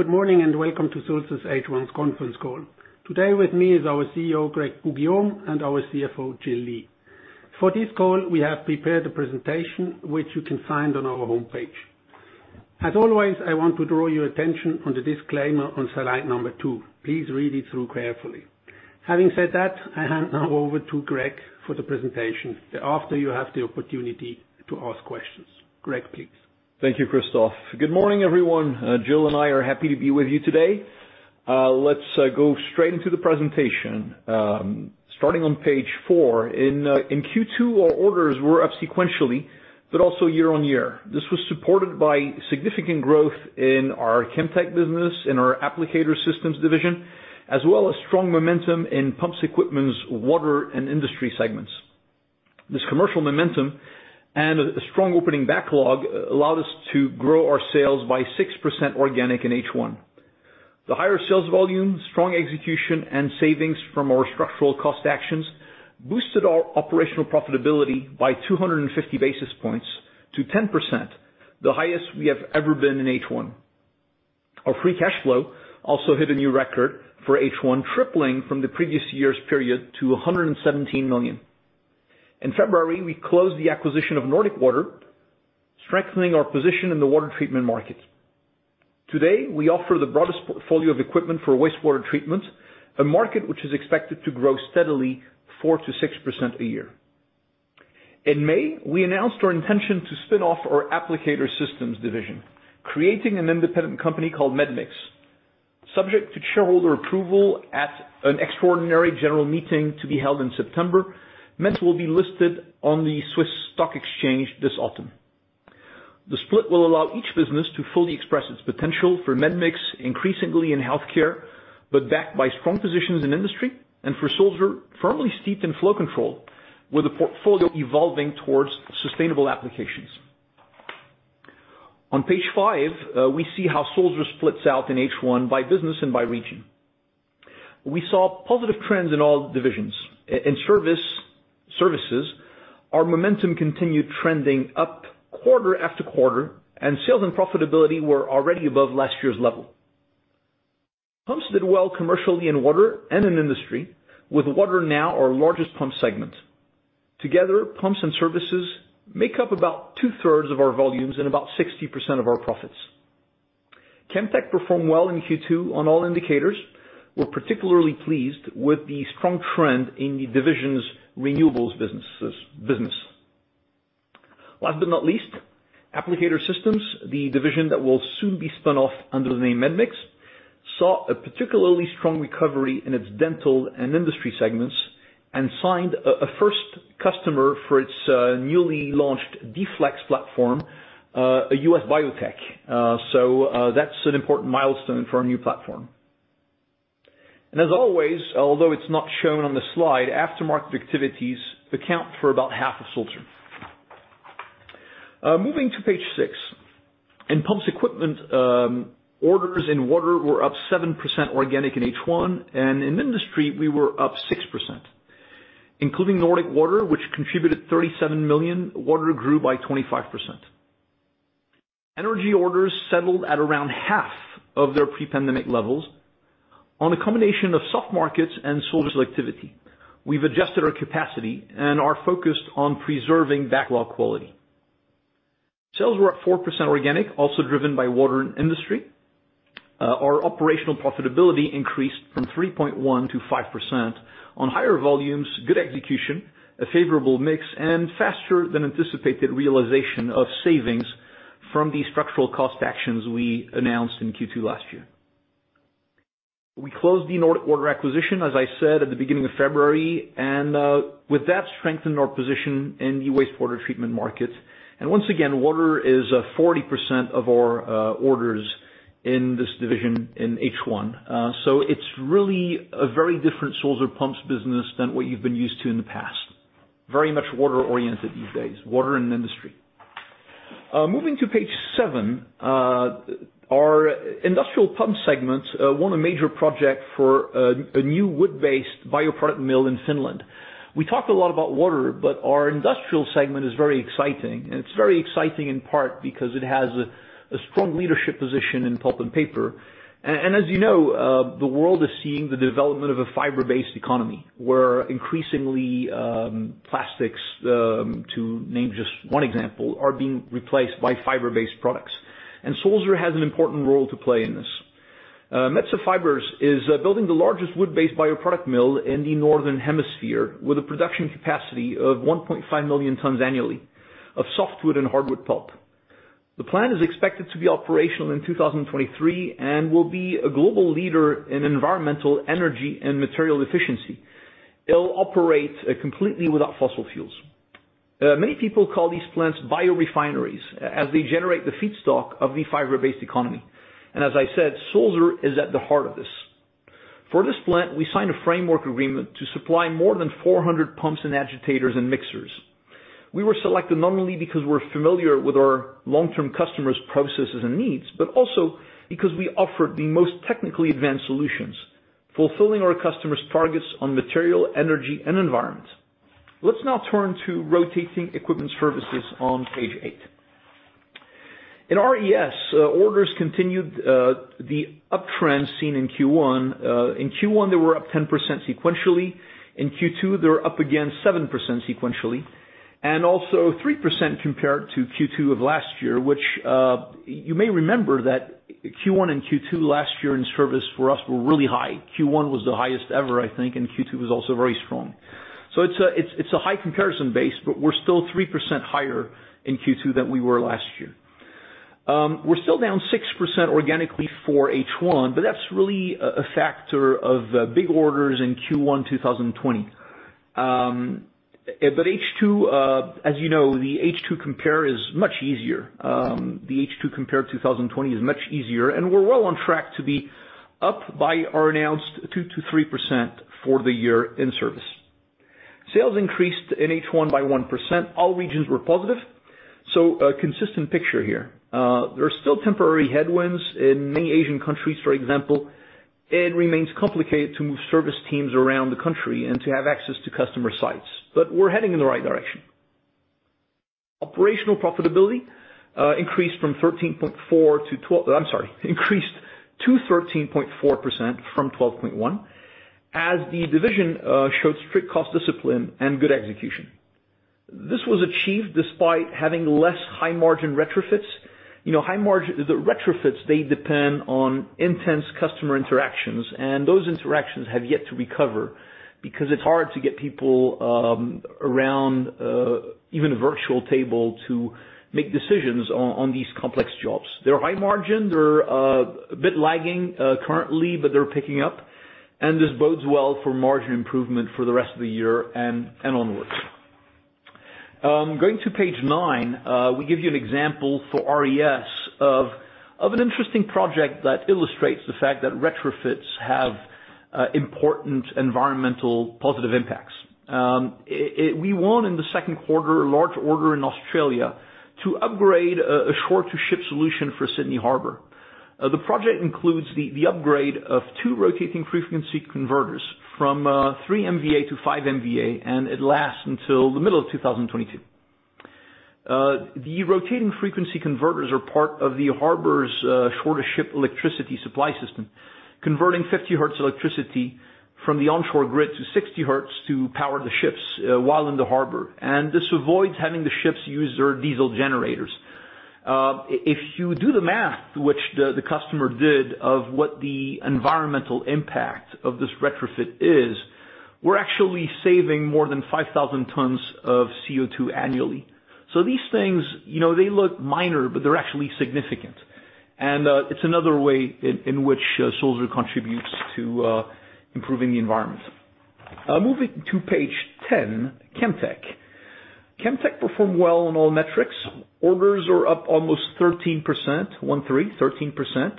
Good morning and welcome to Sulzer's first half conference call. Today with me is our CEO, Greg Poux-Guillaume, and our CFO, Jill Lee. For this call, we have prepared a presentation, which you can find on our homepage. As always, I want to draw your attention on the disclaimer on slide number 2. Please read it through carefully. Having said that, I hand now over to Greg for the presentation. Thereafter, you have the opportunity to ask questions. Greg, please. Thank you, Christoph. Good morning, everyone. Jill and I are happy to be with you today. Let's go straight into the presentation. Starting on page four. In Q2, our orders were up sequentially, also year-over-year. This was supported by significant growth in our Chemtech business, in our Applicator Systems division, as well as strong momentum in Pumps Equipment's water and industry segments. This commercial momentum and a strong opening backlog allowed us to grow our sales by 6% organic in first half. The higher sales volume, strong execution, and savings from our structural cost actions boosted our operational profitability by 250 basis points to 10%, the highest we have ever been in first half. Our Free Cash Flow also hit a new record for first half, tripling from the previous year's period to 117 million. In February, we closed the acquisition of Nordic Water, strengthening our position in the water treatment market. Today, we offer the broadest portfolio of equipment for wastewater treatment, a market which is expected to grow steadily 4%-6% a year. In May, we announced our intention to spin off our Applicator Systems division, creating an independent company called Medmix. Subject to shareholder approval at an extraordinary general meeting to be held in September, Medmix will be listed on the SIX Swiss Exchange this autumn. The split will allow each business to fully express its potential for Medmix, increasingly in healthcare, but backed by strong positions in industry, and for Sulzer, firmly steeped in flow control, with a portfolio evolving towards sustainable applications. On page five, we see how Sulzer splits out in first half by business and by region. We saw positive trends in all divisions. In services, our momentum continued trending up quarter after quarter, and sales and profitability were already above last year's level. Pumps did well commercially in water and in industry, with water now our largest pump segment. Together, pumps and services make up about 2/3 of our volumes and about 60% of our profits. Chemtech performed well in Q2 on all indicators. We're particularly pleased with the strong trend in the division's renewables business. Last but not least, Applicator Systems, the division that will soon be spun off under the name Medmix, saw a particularly strong recovery in its dental and industry segments and signed a first customer for its newly launched D-Flex platform, a U.S. biotech. That's an important milestone for our new platform. As always, although it's not shown on the slide, aftermarket activities account for about half of Sulzer. Moving to page six. In Pumps Equipment, orders in water were up 7% organic in first half, and in industry, we were up 6%. Including Nordic Water, which contributed 37 million, water grew by 25%. Energy orders settled at around half of their pre-pandemic levels on a combination of soft markets and Sulzer selectivity. We've adjusted our capacity and are focused on preserving backlog quality. Sales were up 4% organic, also driven by water and industry. Our operational profitability increased from 3.1%-5% on higher volumes, good execution, a favorable mix, and faster than anticipated realization of savings from the structural cost actions we announced in Q2 last year. We closed the Nordic Water acquisition, as I said, at the beginning of February, and with that strengthened our position in the wastewater treatment market. Once again, water is 40% of our orders in this division in first half so it's really a very different Sulzer pumps business than what you've been used to in the past. Very much water-oriented these days, water and industry. Moving to page seven. Our industrial pump segments won a major project for a new wood-based bioproduct mill in Finland. We talked a lot about water, but our industrial segment is very exciting, and it's very exciting in part because it has a strong leadership position in pulp and paper. As you know, the world is seeing the development of a fiber-based economy, where increasingly plastics, to name just one example, are being replaced by fiber-based products. Sulzer has an important role to play in this. Metsä Fibre is building the largest wood-based bioproduct mill in the Northern Hemisphere with a production capacity of 1.5 million tons annually of softwood and hardwood pulp. The plant is expected to be operational in 2023 and will be a global leader in environmental energy and material efficiency. It'll operate completely without fossil fuels. Many people call these plants biorefineries as they generate the feedstock of the fiber-based economy. As I said, Sulzer is at the heart of this. For this plant, we signed a framework agreement to supply more than 400 pumps and agitators and mixers. We were selected not only because we're familiar with our long-term customers' processes and needs, but also because we offered the most technically advanced solutions, fulfilling our customers' targets on material, energy, and environment. Let's now turn to Rotating Equipment Services on page eight. In RES, orders continued the uptrend seen in Q1, in Q1, they were up 10% sequentially. In Q2, they were up again 7% sequentially. Also 3% compared to Q2 of last year, which you may remember that Q1 and Q2 last year in service for us were really high. Q1 was the highest ever, I think Q2 was also very strong. It's a high comparison base, but we're still 3% higher in Q2 than we were last year. We're still down 6% organically for first half that's really a factor of big orders in Q1 2020. As you know, the second half compare is much easier. The second half compare 2020 is much easier, and we're well on track to be up by our announced 2%-3% for the year in service. Sales increased in first half by 1% all regions were positive. A consistent picture here. There are still temporary headwinds in many Asian countries, for example. It remains complicated to move service teams around the country and to have access to customer sites. We're heading in the right direction. Operational profitability increased to 13.4% from 12.1% as the division showed strict cost discipline and good execution. This was achieved despite having less high-margin retrofits. The retrofits, they depend on intense customer interactions, and those interactions have yet to recover because it's hard to get people around even a virtual table to make decisions on these complex jobs. They're high margin. They're a bit lagging currently, but they're picking up, and this bodes well for margin improvement for the rest of the year and onwards. Going to page nine, we give you an example for RES of an interesting project that illustrates the fact that retrofits have important environmental positive impacts. We won in the Q2, a large order in Australia to upgrade a shore-to-ship solution for Sydney Harbor. The project includes the upgrade of two rotating frequency converters from 3 MVA to 5MV A, and it lasts until the middle of 2022. The rotating frequency converters are part of the harbor's shore-to-ship electricity supply system, converting 50 hertz electricity from the onshore grid to 60 hertz to power the ships while in the harbor and this avoids having the ships use their diesel generators. If you do the math, which the customer did, of what the environmental impact of this retrofit is, we're actually saving more than 5,000 tons of CO2 annually. These things, they look minor, but they're actually significant. It's another way in which Sulzer contributes to improving the environment. Moving to page 10, Chemtech. Chemtech performed well on all metrics. Orders are up almost 13%. One, three. 13%.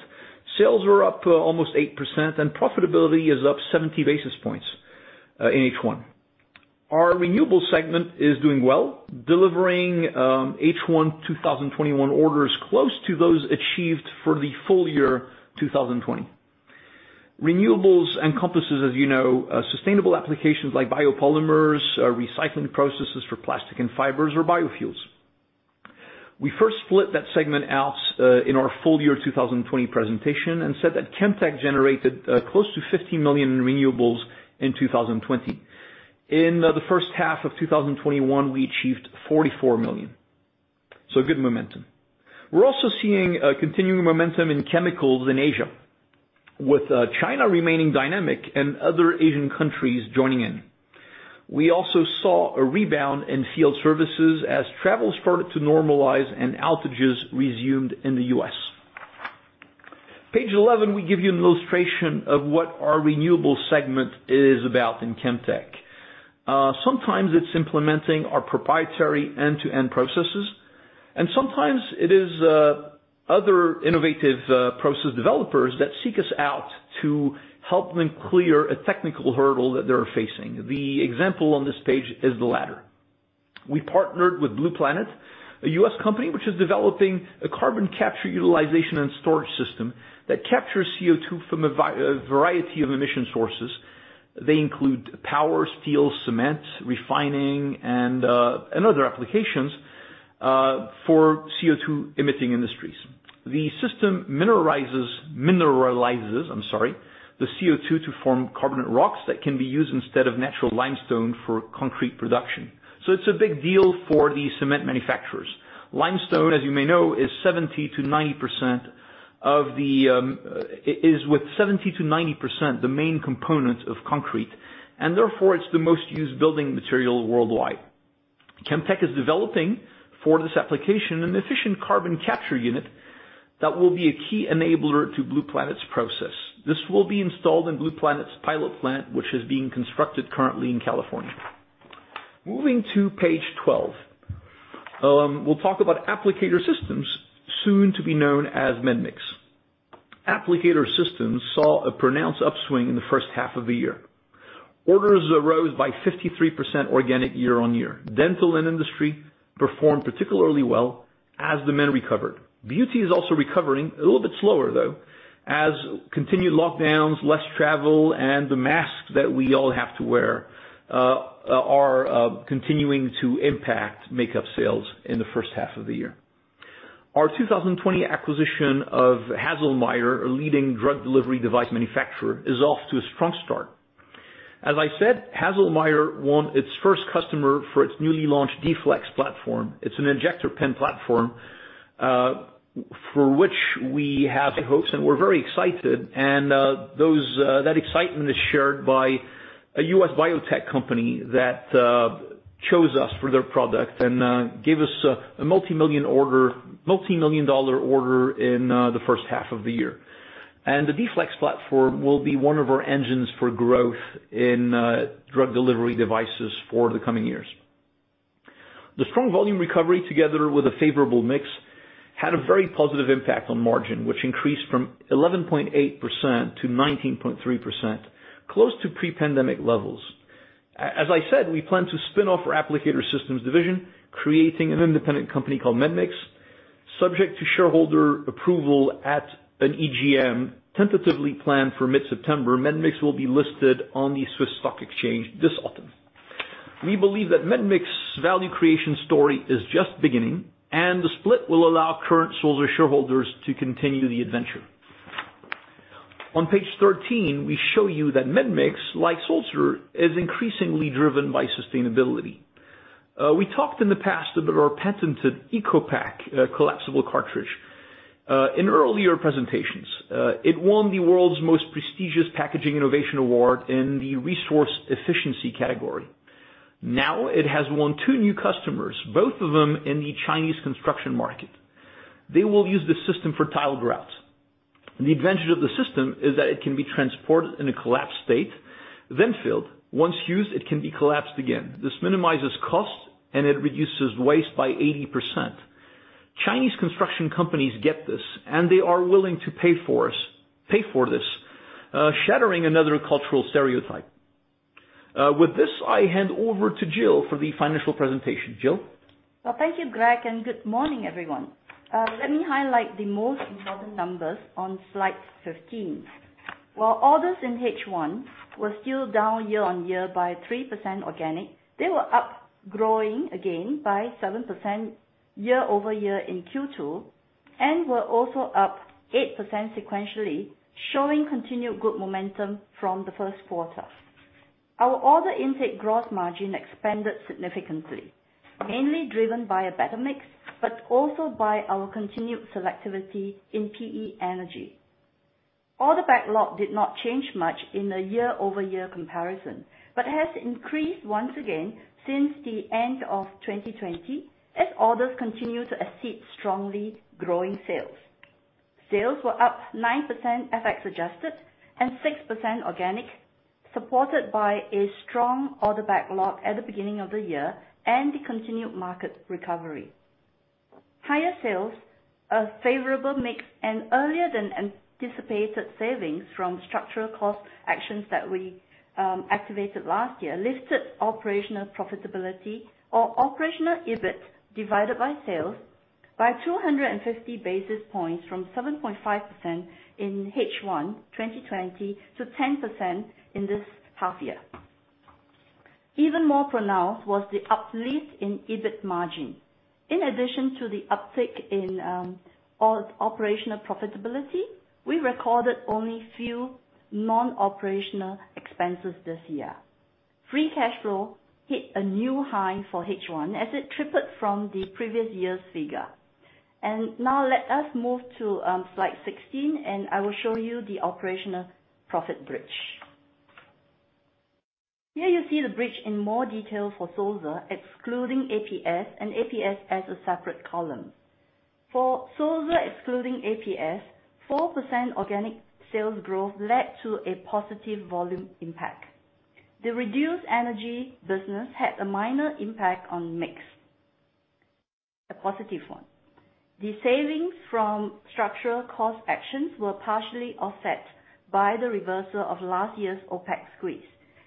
Sales are up almost 8%, and profitability is up 70 basis points in first half. Our renewable segment is doing well, delivering first half 2021 orders close to those achieved for the full year 2020. Renewables encompasses, as you know, sustainable applications like biopolymers, recycling processes for plastic and fibers or biofuels. We first split that segment out in our full-year 2020 presentation and said that Chemtech generated close to 50 million in renewables in 2020. In the first half of 2021, we achieved 44 million. Good momentum. We're also seeing a continuing momentum in chemicals in Asia, with China remaining dynamic and other Asian countries joining in. We also saw a rebound in field services as travel started to normalize and outages resumed in the U.S. Page 11, we give you an illustration of what our renewable segment is about in Chemtech. Sometimes it's implementing our proprietary end-to-end processes, and sometimes it is other innovative process developers that seek us out to help them clear a technical hurdle that they're facing the example on this page is the latter. We partnered with Blue Planet, a U.S. company which is developing a carbon capture, utilization and storage system that captures CO2 from a variety of emission sources. They include power, steel, cement, refining, and other applications for CO2 emitting industries. The system mineralizes the CO2 to form carbonate rocks that can be used instead of natural limestone for concrete production. It's a big deal for the cement manufacturers. Limestone, as you may know, is with 70%-90% the main component of concrete, and therefore it's the most used building material worldwide. Chemtech is developing for this application an efficient carbon capture unit that will be a key enabler to Blue Planet's process. This will be installed in Blue Planet's pilot plant, which is being constructed currently in California. Moving to page 12. We'll talk about Applicator Systems, soon to be known as Medmix. Applicator Systems saw a pronounced upswing in the first half of the year. Orders rose by 53% organic year-on-year dental end industry performed particularly well. As the demand recovered. Beauty is also recovering, a little bit slower though, as continued lockdowns, less travel, and the masks that we all have to wear are continuing to impact makeup sales in the first half of the year. Our 2020 acquisition of Haselmeier, a leading drug delivery device manufacturer, is off to a strong start. As I said, Haselmeier won its first customer for its newly launched D-Flex platform. It's an injector pen platform for which we have high hopes, and we're very excited and that excitement is shared by a U.S. biotech company that chose us for their product and gave us a multimillion-dollar order in the first half of the year. The D-Flex platform will be one of our engines for growth in drug delivery devices for the coming years. The strong volume recovery, together with a favorable mix, had a very positive impact on margin, which increased from 11.8%-19.3%, close to pre-pandemic levels. As I said, we plan to spin off our Applicator Systems division, creating an independent company called Medmix. Subject to shareholder approval at an EGM tentatively planned for mid-September, Medmix will be listed on the SIX Swiss Exchange this autumn. We believe that Medmix value creation story is just beginning, and the split will allow current Sulzer shareholders to continue the adventure. On page 13, we show you that Medmix, like Sulzer, is increasingly driven by sustainability. We talked in the past about our patented ecopaCC collapsible cartridge. In earlier presentations, it won the World's Most Prestigious Packaging Innovation Award in the resource efficiency category. Now it has won two new customers, both of them in the Chinese construction market. They will use this system for tile grout. The advantage of the system is that it can be transported in a collapsed state, then filled, once used, it can be collapsed again. This minimizes cost, and it reduces waste by 80%. Chinese construction companies get this, and they are willing to pay for this, shattering another cultural stereotype. With this, I hand over to Jill Lee for the financial presentation. Jill Lee? Well, thank you, Greg, and good morning, everyone. Let me highlight the most important numbers on slide 15. While orders in first half were still down year-over-year by 3% organic, they were up growing again by 7% year-over-year in Q2 and were also up 8% sequentially, showing continued good momentum from the Q1. Our order intake gross margin expanded significantly, mainly driven by a better mix, but also by our continued selectivity in PE energy. Order backlog did not change much in a year-over-year comparison, but has increased once again since the end of 2020 as orders continue to exceed strongly growing sales. Sales were up 9% FX adjusted and 6% organic, supported by a strong order backlog at the beginning of the year and the continued market recovery. Higher sales, a favorable mix, and earlier than anticipated savings from structural cost actions that we activated last year lifted operational profitability or operational EBITDA divided by sales by 250 basis points from 7.5% in first half 2020 to 10% in this half year. Even more pronounced was the uplift in EBITDA margin. In addition to the uptick in operational profitability, we recorded only few non-operational expenses this year. Free Cash Flow hit a new high for first half as it tripled from the previous year's figure. Now let us move to slide 16, and I will show you the operational profit bridge. Here you see the bridge in more detail for Sulzer excluding APS and APS as a separate column. For Sulzer excluding APS, 4% organic sales growth led to a positive volume impact. The reduced energy business had a minor impact on mix, a positive one. The savings from structural cost actions were partially offset by the reversal of last year's OpEx squeeze.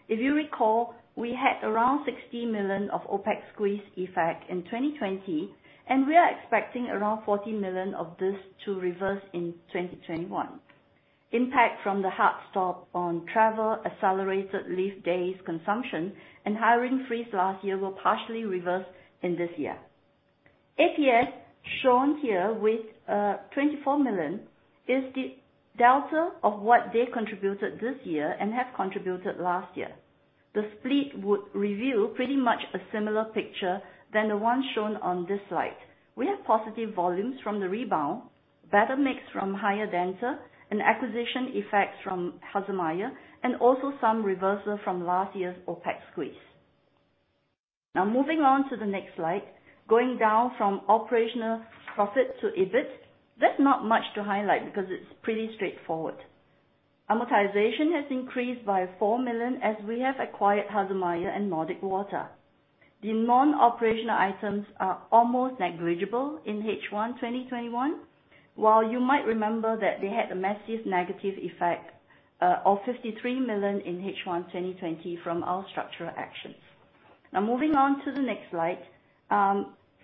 If you recall, we had around 60 million of OpEx squeeze effect in 2020, and we are expecting around 40 million of this to reverse in 2021. Impact from the hard stop on travel, accelerated leave days consumption, and hiring freeze last year will partially reverse in this year. APS, shown here with 24 million, is the delta of what they contributed this year and have contributed last year. The split would reveal pretty much a similar picture than the one shown on this slide. We have positive volumes from the rebound, better mix from higher denser and acquisition effects from Haselmeier, and also some reversal from last year's OpEx squeeze. Going down from operational profit to EBITDA, there's not much to highlight because it's pretty straightforward. Amortization has increased by 4 million as we have acquired Haselmeier and Nordic Water. The non-operational items are almost negligible in first half 2021. While you might remember that they had a massive negative effect of 53 million in first half 2020 from our structural actions.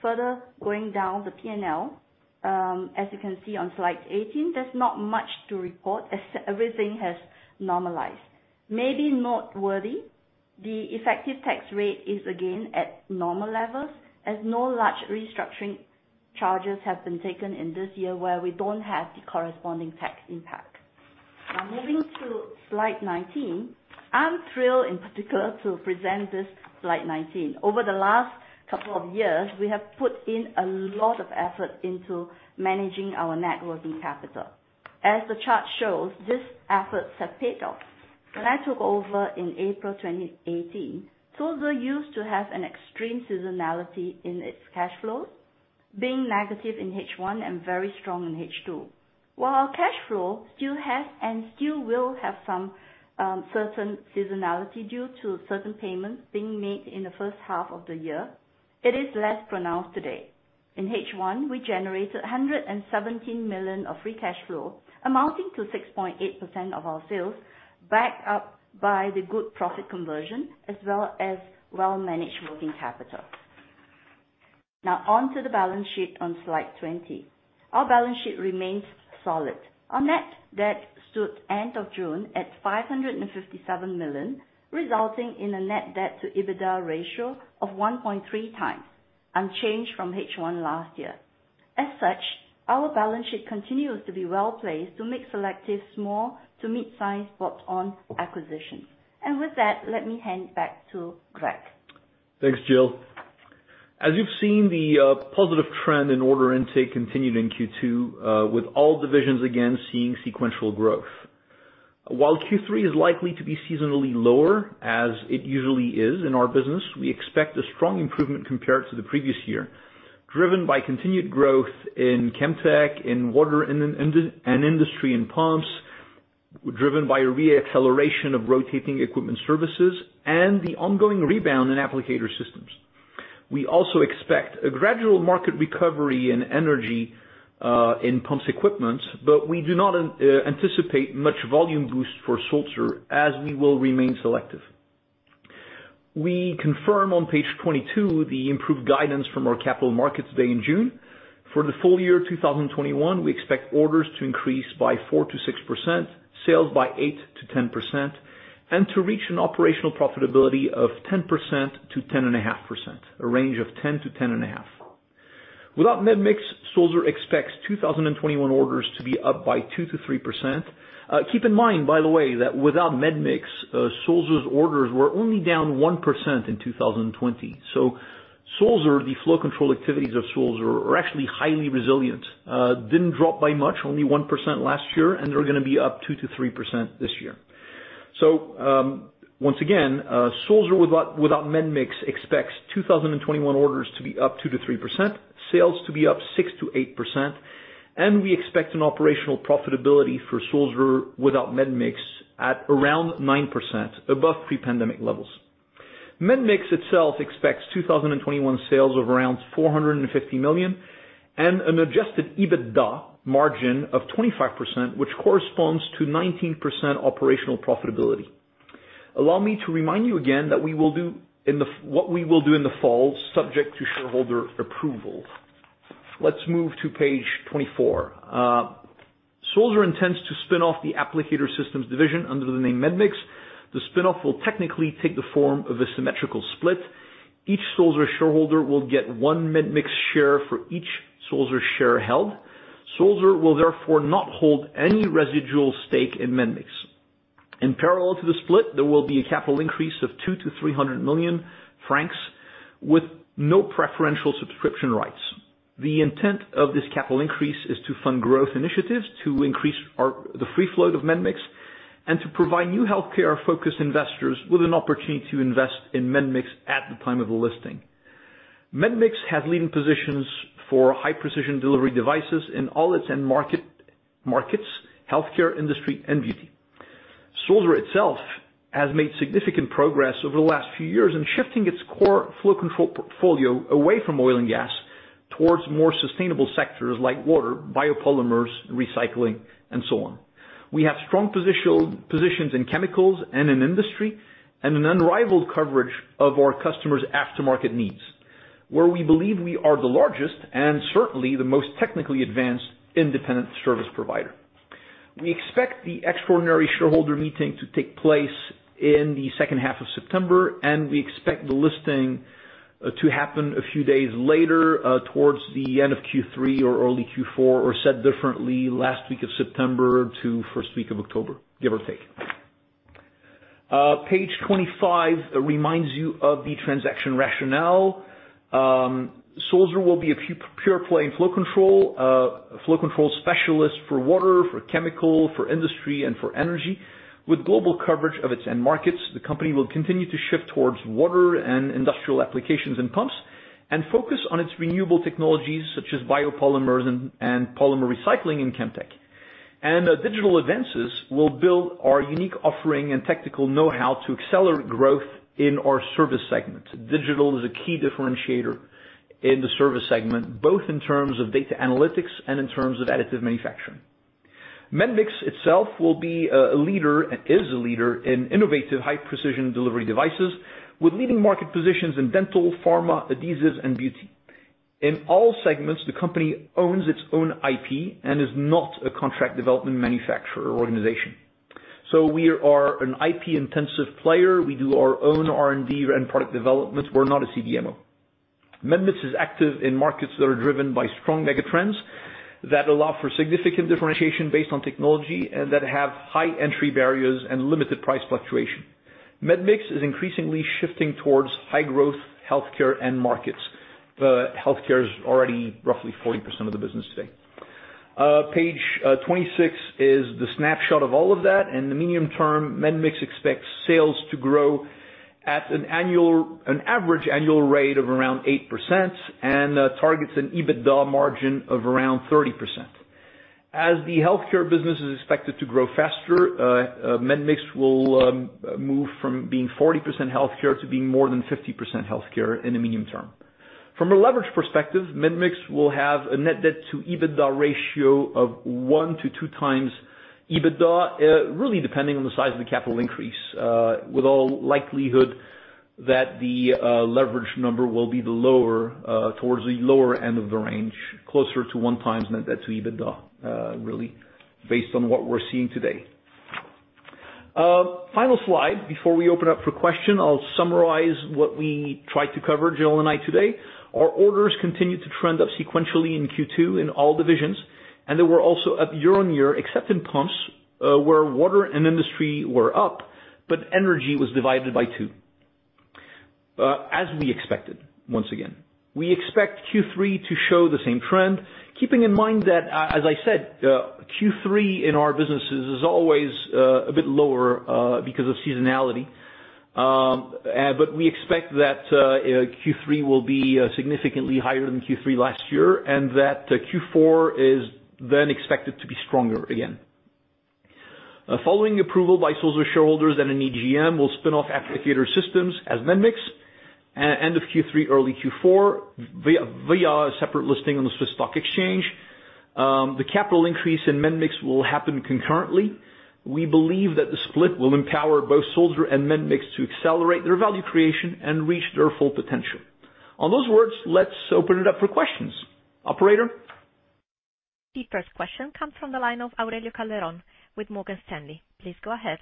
Further going down the P&L, as you can see on slide 18, there's not much to report as everything has normalized. Maybe noteworthy, the effective tax rate is again at normal levels as no large restructuring charges have been taken in this year where we don't have the corresponding tax impact. I'm thrilled in particular to present this slide 19 over the last couple of years, we have put in a lot of effort into managing our net working capital. As the chart shows, these efforts have paid off. When I took over in April 2018, Sulzer used to have an extreme seasonality in its cash flows, being negative in first half and very strong in second half. While cash flow still has and still will have some certain seasonality due to certain payments being made in the first half of the year, it is less pronounced today. In first half, we generated 117 million of Free Cash Flow, amounting to 6.8% of our sales, backed up by the good profit conversion as well as well-managed working capital. On to the balance sheet on slide 20. Our balance sheet remains solid. Our net debt stood end of June at 557 million, resulting in a net debt to EBITDA ratio of 1.3x, unchanged from first half last year. As such, our balance sheet continues to be well-placed to make selective small to mid-size bolt-on acquisitions. And with that, let me hand it back to Greg. Thanks, Jill. As you've seen, the positive trend in order intake continued in Q2, with all divisions again seeing sequential growth. While Q3 is likely to be seasonally lower, as it usually is in our business, we expect a strong improvement compared to the previous year, driven by continued growth in Chemtech, in water and industry in pumps, driven by a re-acceleration of Rotating Equipment Services and the ongoing rebound in Applicator Systems. We also expect a gradual market recovery in energy in Pumps Equipment, we do not anticipate much volume boost for Sulzer as we will remain selective. We confirm on page 22 the improved guidance from our Capital Markets Day in June. For the full year 2021, we expect orders to increase by 4%-6%, sales by 8%-10%, and to reach an operational profitability of 10%-10.5%, a range of 10%-10.5%. Without Medmix, Sulzer expects 2021 orders to be up by 2%-3%. Keep in mind, by the way, that without Medmix, Sulzer's orders were only down 1% in 2020. Sulzer, the flow control activities of Sulzer, are actually highly resilient. Didn't drop by much, only 1% last year, and they're going to be up 2%-3% this year. Once again, Sulzer without Medmix expects 2021 orders to be up 2%-3%, sales to be up 6%-8%, and we expect an operational profitability for Sulzer without Medmix at around 9%, above pre-pandemic levels. Medmix itself expects 2021 sales of around 450 million and an adjusted EBITDA margin of 25%, which corresponds to 19% operational profitability. Allow me to remind you again what we will do in the fall, subject to shareholder approval. Let's move to page 24. Sulzer intends to spin off the Applicator Systems division under the name Medmix. The spin-off will technically take the form of a symmetrical split. Each Sulzer shareholder will get one Medmix share for each Sulzer share held. Sulzer will therefore not hold any residual stake in Medmix. In parallel to the split, there will be a capital increase of 200 million- 300 million francs with no preferential subscription rights. The intent of this capital increase is to fund growth initiatives to increase the free float of Medmix and to provide new healthcare-focused investors with an opportunity to invest in Medmix at the time of the listing. Medmix has leading positions for high-precision delivery devices in all its end markets, healthcare, industry, and beauty. Sulzer itself has made significant progress over the last few years in shifting its core flow control portfolio away from oil and gas towards more sustainable sectors like water, biopolymers, recycling, and so on. We have strong positions in chemicals and in industry and an unrivaled coverage of our customers' aftermarket needs, where we believe we are the largest and certainly the most technically advanced independent service provider. We expect the extraordinary shareholder meeting to take place in the second half of September, and we expect the listing to happen a few days later, towards the end of Q3 or early Q4, or said differently, last week of September to first week of October, give or take. Page 25 reminds you of the transaction rationale. Sulzer will be a pure play in flow control, a flow control specialist for water, for chemical, for industry, and for energy. With global coverage of its end markets, the company will continue to shift towards water and industrial applications and pumps and focus on its renewable technologies such as biopolymers and polymer recycling in Chemtech. Digital advances will build our unique offering and technical know-how to accelerate growth in our service segment digital is a key differentiator in the service segment, both in terms of data analytics and in terms of additive manufacturing. Medmix itself will be a leader, and is a leader in innovative high-precision delivery devices with leading market positions in dental, pharma, adhesives, and beauty. In all segments, the company owns its own IP and is not a contract development manufacturer organization. We are an IP-intensive player. We do our own R&D and product development we're not a CDMO. Medmix is active in markets that are driven by strong mega trends that allow for significant differentiation based on technology and that have high entry barriers and limited price fluctuation. Medmix is increasingly shifting towards high growth healthcare end markets. Healthcare is already roughly 40% of the business today. Page 26 is the snapshot of all of that, and the medium term, Medmix expects sales to grow at an average annual rate of around 8% and targets an EBITDA margin of around 30%. As the healthcare business is expected to grow faster, Medmix will move from being 40% healthcare to being more than 50% healthcare in the medium term. From a leverage perspective, Medmix will have a net debt to EBITDA ratio of 1-2x EBITDA, really depending on the size of the capital increase, with all likelihood that the leverage number will be towards the lower end of the range, closer to 1 time net debt to EBITDA, really based on what we're seeing today. Final slide before we open up for question i will summarize what we tried to cover, Jill and I today. Our orders continued to trend up sequentially in Q2 in all divisions. They were also up year-over-year, except in pumps, where water and industry were up, but energy was divided by two, as we expected, once again. We expect Q3 to show the same trend, keeping in mind that, as I said, Q3 in our businesses is always a bit lower, because of seasonality. We expect that Q3 will be significantly higher than Q3 last year, and that Q4 is then expected to be stronger again. Following approval by Sulzer shareholders and an EGM, we'll spin off Applicator Systems as Medmix end of Q3, early Q4, via separate listing on the SIX Swiss Exchange. The capital increase in Medmix will happen concurrently. We believe that the split will empower both Sulzer and Medmix to accelerate their value creation and reach their full potential. On those words, let's open it up for questions. Operator? The first question comes from the line of Aurelio Calderon with Morgan Stanley. Please go ahead.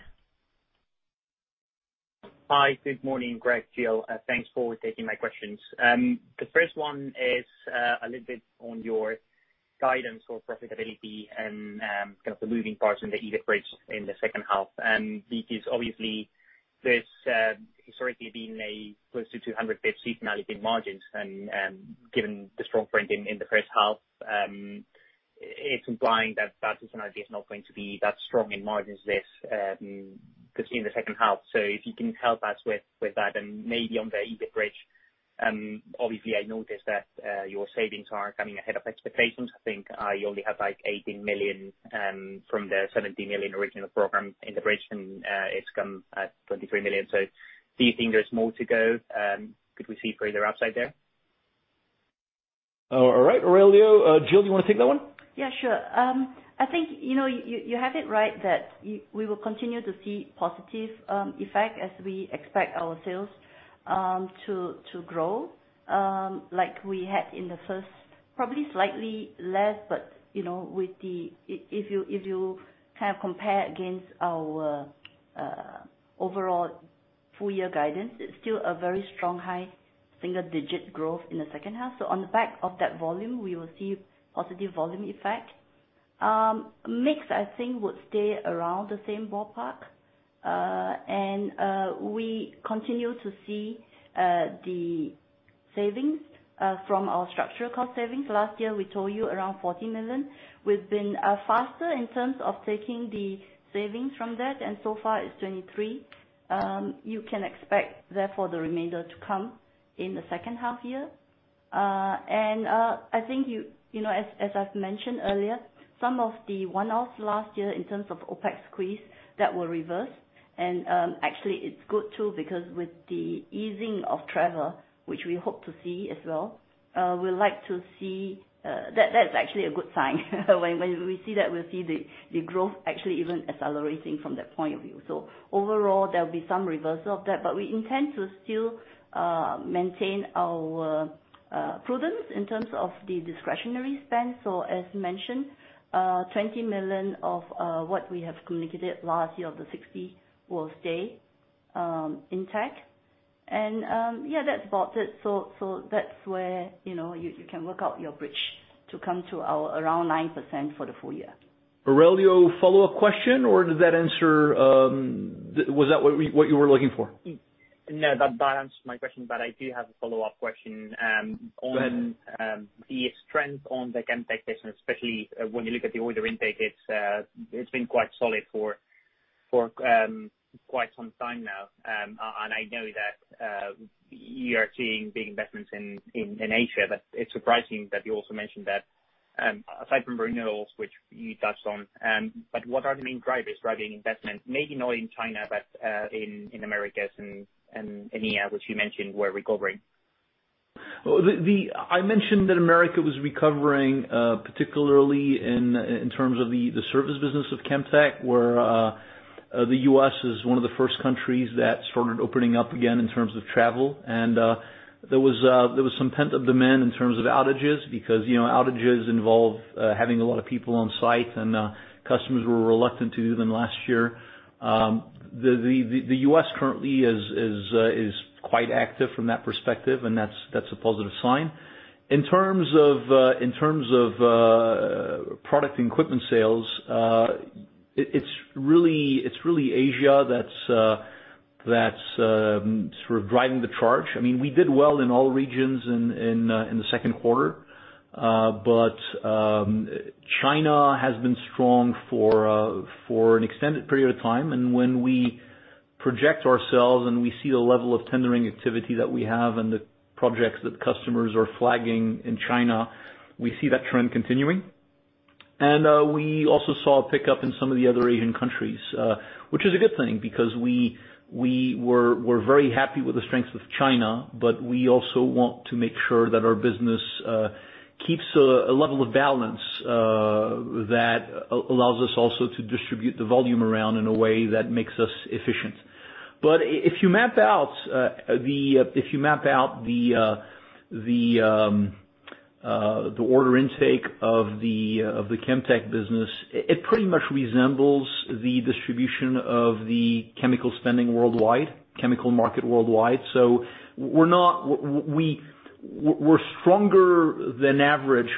Hi, good morning, Greg, Jill. Thanks for taking my questions. The first one is a little bit on your guidance for profitability and kind of the moving parts in the EBITDA bridge in the second half. This is obviously, there's historically been a close to 200 basis points seasonality in margins. Given the strong print in the first half, it's implying that that seasonality is not going to be that strong in margins because in the second half so if you can help us with that and maybe on the EBITDA bridge. Obviously, I noticed that your savings are coming ahead of expectations i think you only had 18 million from the 17 million original program integration. It's come at 23 million do you think there's more to go? Could we see further upside there? All right, Aurelio. Jill, you want to take that one? Yeah, sure. I think, you have it right that we will continue to see positive effect as we expect our sales to grow, like we had in the first, probably slightly less, but if you kind of compare against our overall full year guidance, it's still a very strong high single-digit growth in the second half on the back of that volume, we will see positive volume effect. Mix, I think, would stay around the same ballpark. We continue to see the savings from our structural cost savings last year, we told you around 40 million. We've been faster in terms of taking the savings from that, so far it's 23 million you can expect, therefore, the remainder to come in the second half year. I think, as I've mentioned earlier, some of the one-offs last year in terms of OpEx squeeze, that will reverse. Actually it's good too, because with the easing of travel, which we hope to see as well, that's actually a good sign when we see that, we'll see the growth actually even accelerating from that point of view. Overall, there'll be some reversal of that but we intend to still maintain our prudence in terms of the discretionary spend as mentioned, 20 million of what we have communicated last year of the 60 will stay intact. That's about it, that's where you can work out your bridge to come to our around 9% for the full year. Aurelio, follow-up question, or was that what you were looking for? No, that answered my question, but I do have a follow-up question. Go ahead. On the strength on the Chemtech sector, especially when you look at the order intake, it's been quite solid for quite some time now. I know that you are seeing big investments in Asia, but it's surprising that you also mentioned that. Aside from renewals, which you touched on, but what are the main drivers driving investment? Maybe not in China, but in Americas and EMEA, which you mentioned were recovering. I mentioned that the U.S. was recovering, particularly in terms of the service business of Chemtech, where the U.S. is one of the first countries that started opening up again in terms of travel. There was some pent-up demand in terms of outages, because outages involve having a lot of people on site, and customers were reluctant to do them last year. The U.S. currently is quite active from that perspective, and that's a positive sign. In terms of product and equipment sales, it's really Asia that's sort of driving the charge we did well in all regions in the Q2. China has been strong for an extended period of time, and when we project ourselves and we see the level of tendering activity that we have and the projects that customers are flagging in China, we see that trend continuing. We also saw a pickup in some of the other Asian countries, which is a good thing, because we're very happy with the strength of China, but we also want to make sure that our business keeps a level of balance that allows us also to distribute the volume around in a way that makes us efficient. If you map out the order intake of the Chemtech business, it pretty much resembles the distribution of the chemical spending worldwide, chemical market worldwide. We're stronger than average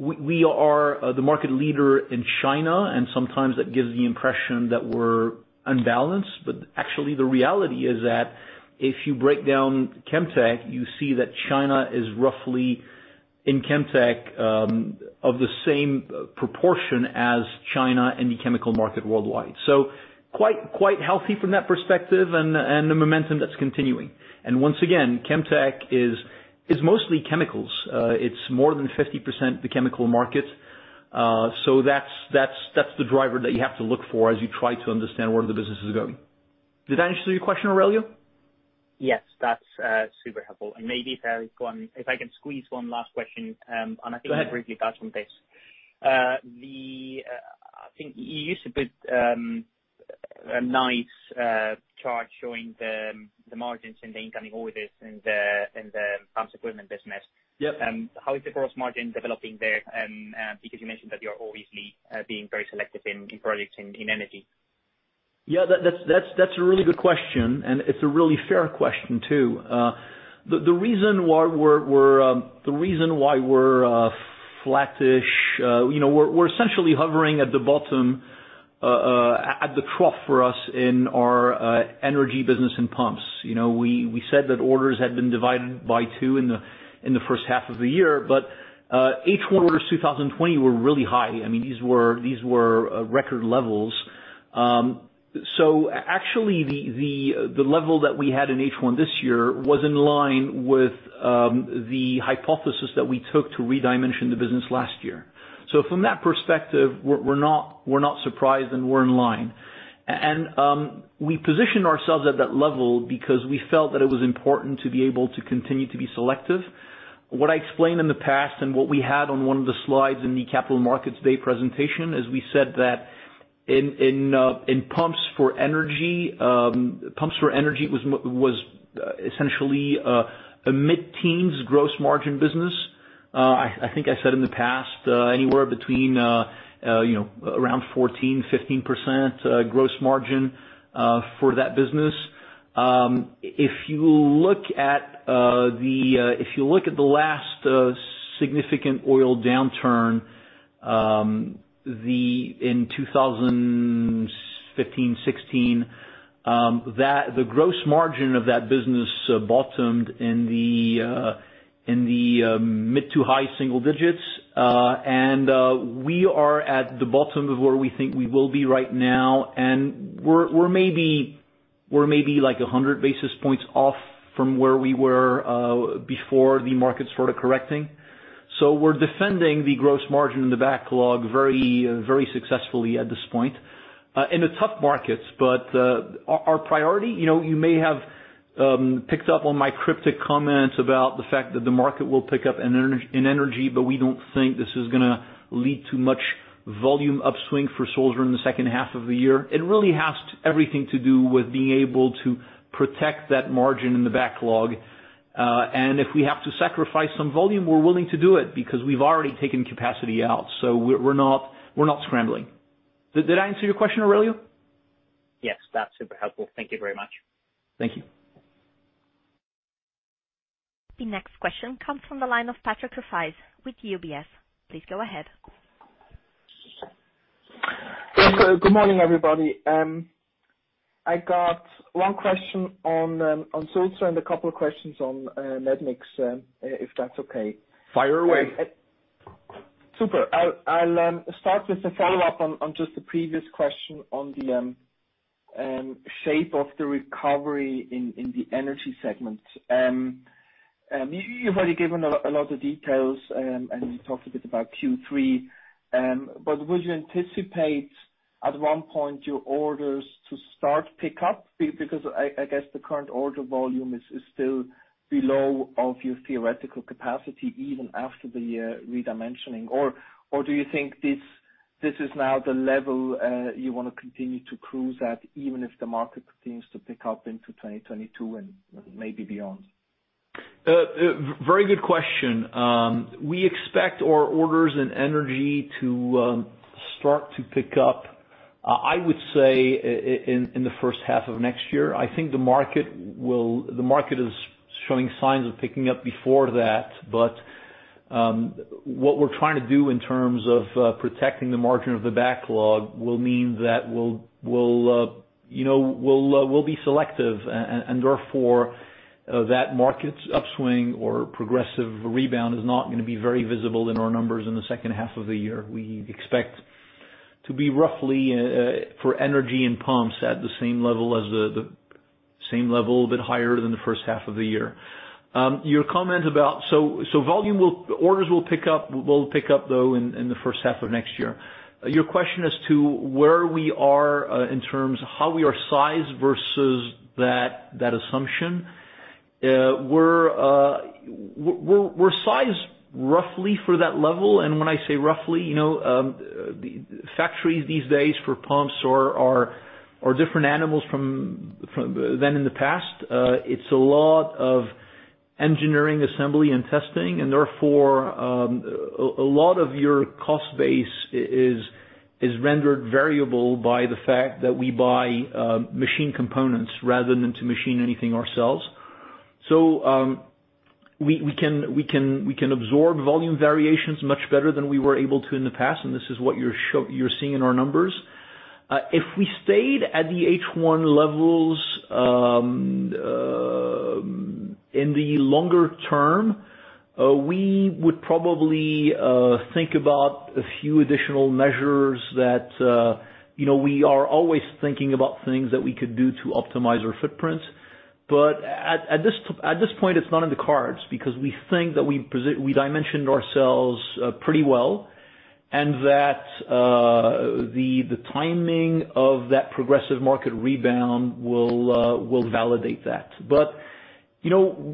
we are the market leader in China, and sometimes that gives the impression that we're unbalanced but actually, the reality is that if you break down Chemtech, you see that China is roughly, in Chemtech, of the same proportion as China in the chemical market worldwide. Quite healthy from that perspective, and the momentum that's continuing. Once again, Chemtech is mostly chemicals. It's more than 50% the chemical market. That's the driver that you have to look for as you try to understand where the business is going. Did that answer your question, Aurelio? Yes. That's super helpful and maybe if I can squeeze one last question. Go ahead. I think you briefly touched on this. I think you used a nice chart showing the margins and the incoming orders in the Pumps Equipment business. Yep. How is the gross margin developing there? You mentioned that you're obviously being very selective in projects in energy. Yeah, that's a really good question, and it's a really fair question, too. The reason why we're flattish, we're essentially hovering at the bottom, at the trough for us in our energy business and pumps you know we said that orders had been divided by two in the first half of the year. But first half orders 2020 were really high and these were record levels. Actually, the level that we had in first half this year was in line with the hypothesis that we took to re-dimension the business last year. From that perspective, we're not surprised, and we're in line. We positioned ourselves at that level because we felt that it was important to be able to continue to be selective. What I explained in the past and what we had on one of the slides in the Capital Markets Day presentation, is we said that in pumps for energy, it was essentially a mid-teens gross margin business. I think I said in the past, anywhere between around 14%, 15% gross margin for that business. If you look at the last significant oil downturn in 2015, 2016, the gross margin of that business bottomed in the mid to high single digits. We are at the bottom of where we think we will be right now, and we're maybe like 100 basis points off from where we were before the market started correcting. We're defending the gross margin in the backlog very successfully at this point in the tough markets. Our priority, you may have picked up on my cryptic comments about the fact that the market will pick up in energy, but we don't think this is gonna lead to much volume upswing for Sulzer in the second half of the year and it really has everything to do with being able to protect that margin in the backlog. If we have to sacrifice some volume, we're willing to do it, because we've already taken capacity out so we're not scrambling. Did that answer your question, Aurelio? Yes. That's super helpful thank you very much. Thank you. The next question comes from the line of Patrick Rafaisz with UBS. Please go ahead. Good morning, everybody. I got one question on Sulzer and a couple of questions on Medmix, if that's okay. Fire away. Super. I'll start with a follow-up on just the previous question on the shape of the recovery in the energy segment. You've already given a lot of details, and you talked a bit about Q3. Would you anticipate at one point your orders to start pick up? I guess the current order volume is still below of your theoretical capacity, even after the re-dimensioning or do you think this is now the level you want to continue to cruise at, even if the market continues to pick up into 2022 and maybe beyond? Very good question. We expect our orders in energy to start to pick up, I would say, in the first half of next year i think the market is showing signs of picking up before that but, what we're trying to do in terms of protecting the margin of the backlog will mean that we'll be selective, and therefore, that market upswing or progressive rebound is not going to be very visible in our numbers in the second half of the year we expect- -to be roughly, for energy and pumps, at the same level, a bit higher than the first half of the year. Orders will pick up, though, in the first half of next year. Your question as to where we are in terms of how we are sized versus that assumption. We're sized roughly for that level and when I say roughly, factories these days for pumps are different animals than in the past. It's a lot of engineering, assembly, and testing and therefore, a lot of your cost base is rendered variable by the fact that we buy machine components rather than to machine anything ourselves. We can absorb volume variations much better than we were able to in the past this is what you're seeing in our numbers. If we stayed at the first half levels in the longer term, we would probably think about a few additional measures that we are always thinking about things that we could do to optimize our footprint. At this point, it's not in the cards, because we think that we dimensioned ourselves pretty well. The timing of that progressive market rebound will validate that.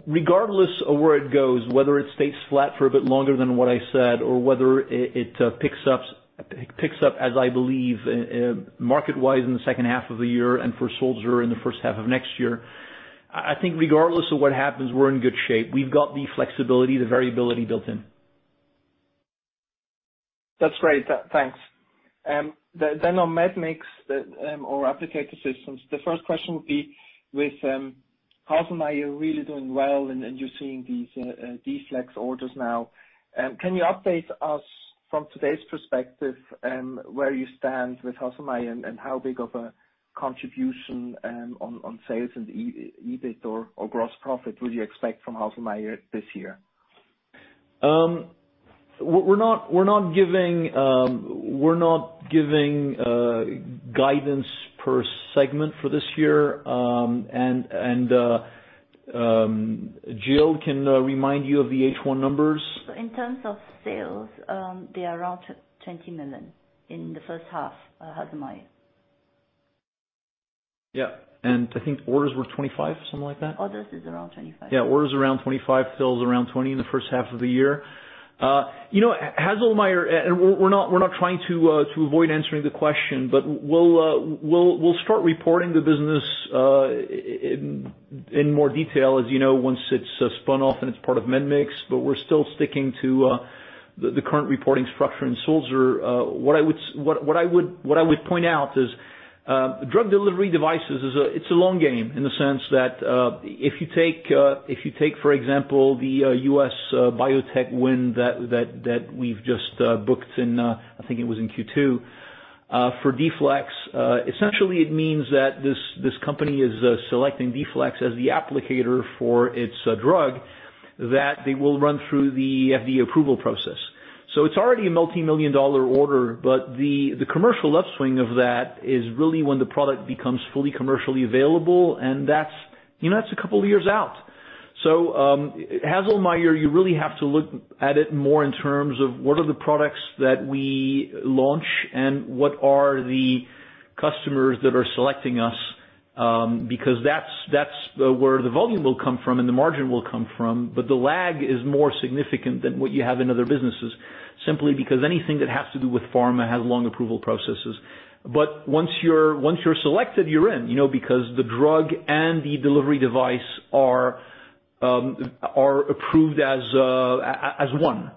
Regardless of where it goes, whether it stays flat for a bit longer than what I said, or whether it picks up, as I believe, market-wise in the second half of the year, and for Sulzer in the first half of next year. I think regardless of what happens, we're in good shape we've got the flexibility, the variability built in. That's great. Thanks. On Medmix or Applicator Systems, the first question would be with Haselmeier really doing well and you're seeing these D-Flex orders now. Can you update us from today's perspective where you stand with Haselmeier and how big of a contribution on sales and EBITDA or gross profit would you expect from Haselmeier this year? We're not giving guidance per segment for this year. Jill can remind you of the first half numbers. In terms of sales, they are around 20 million in the first half, Haselmeier. Yeah. I think orders were CHF 25 million, something like that? Orders is around CHF 25 million. Yeah, orders around CHF 25 million, sales around 20 million in the first half of the year. Haselmeier, we're not trying to avoid answering the question. We'll start reporting the business in more detail, as you know, once it's spun off and it's part of Medmix, we're still sticking to the current reporting structure in Sulzer, what I would point out is drug delivery devices, it's a long game in the sense that if you take, for example, the U.S. biotech win that we've just booked in, I think it was in Q2, for D-Flex. Essentially it means that this company is selecting D-Flex as the applicator for its drug that they will run through the FDA approval process. It's already a multimillion-dollar order but the commercial upswing of that is really when the product becomes fully commercially available. That's a couple of years out. Haselmeier, you really have to look at it more in terms of what are the products that we launch and what are the customers that are selecting us, because that's where the volume will come from and the margin will come from. The lag is more significant than what you have in other businesses, simply because anything that has to do with pharma has long approval processes. But once you're selected, you're in, because the drug and the delivery device are approved as one.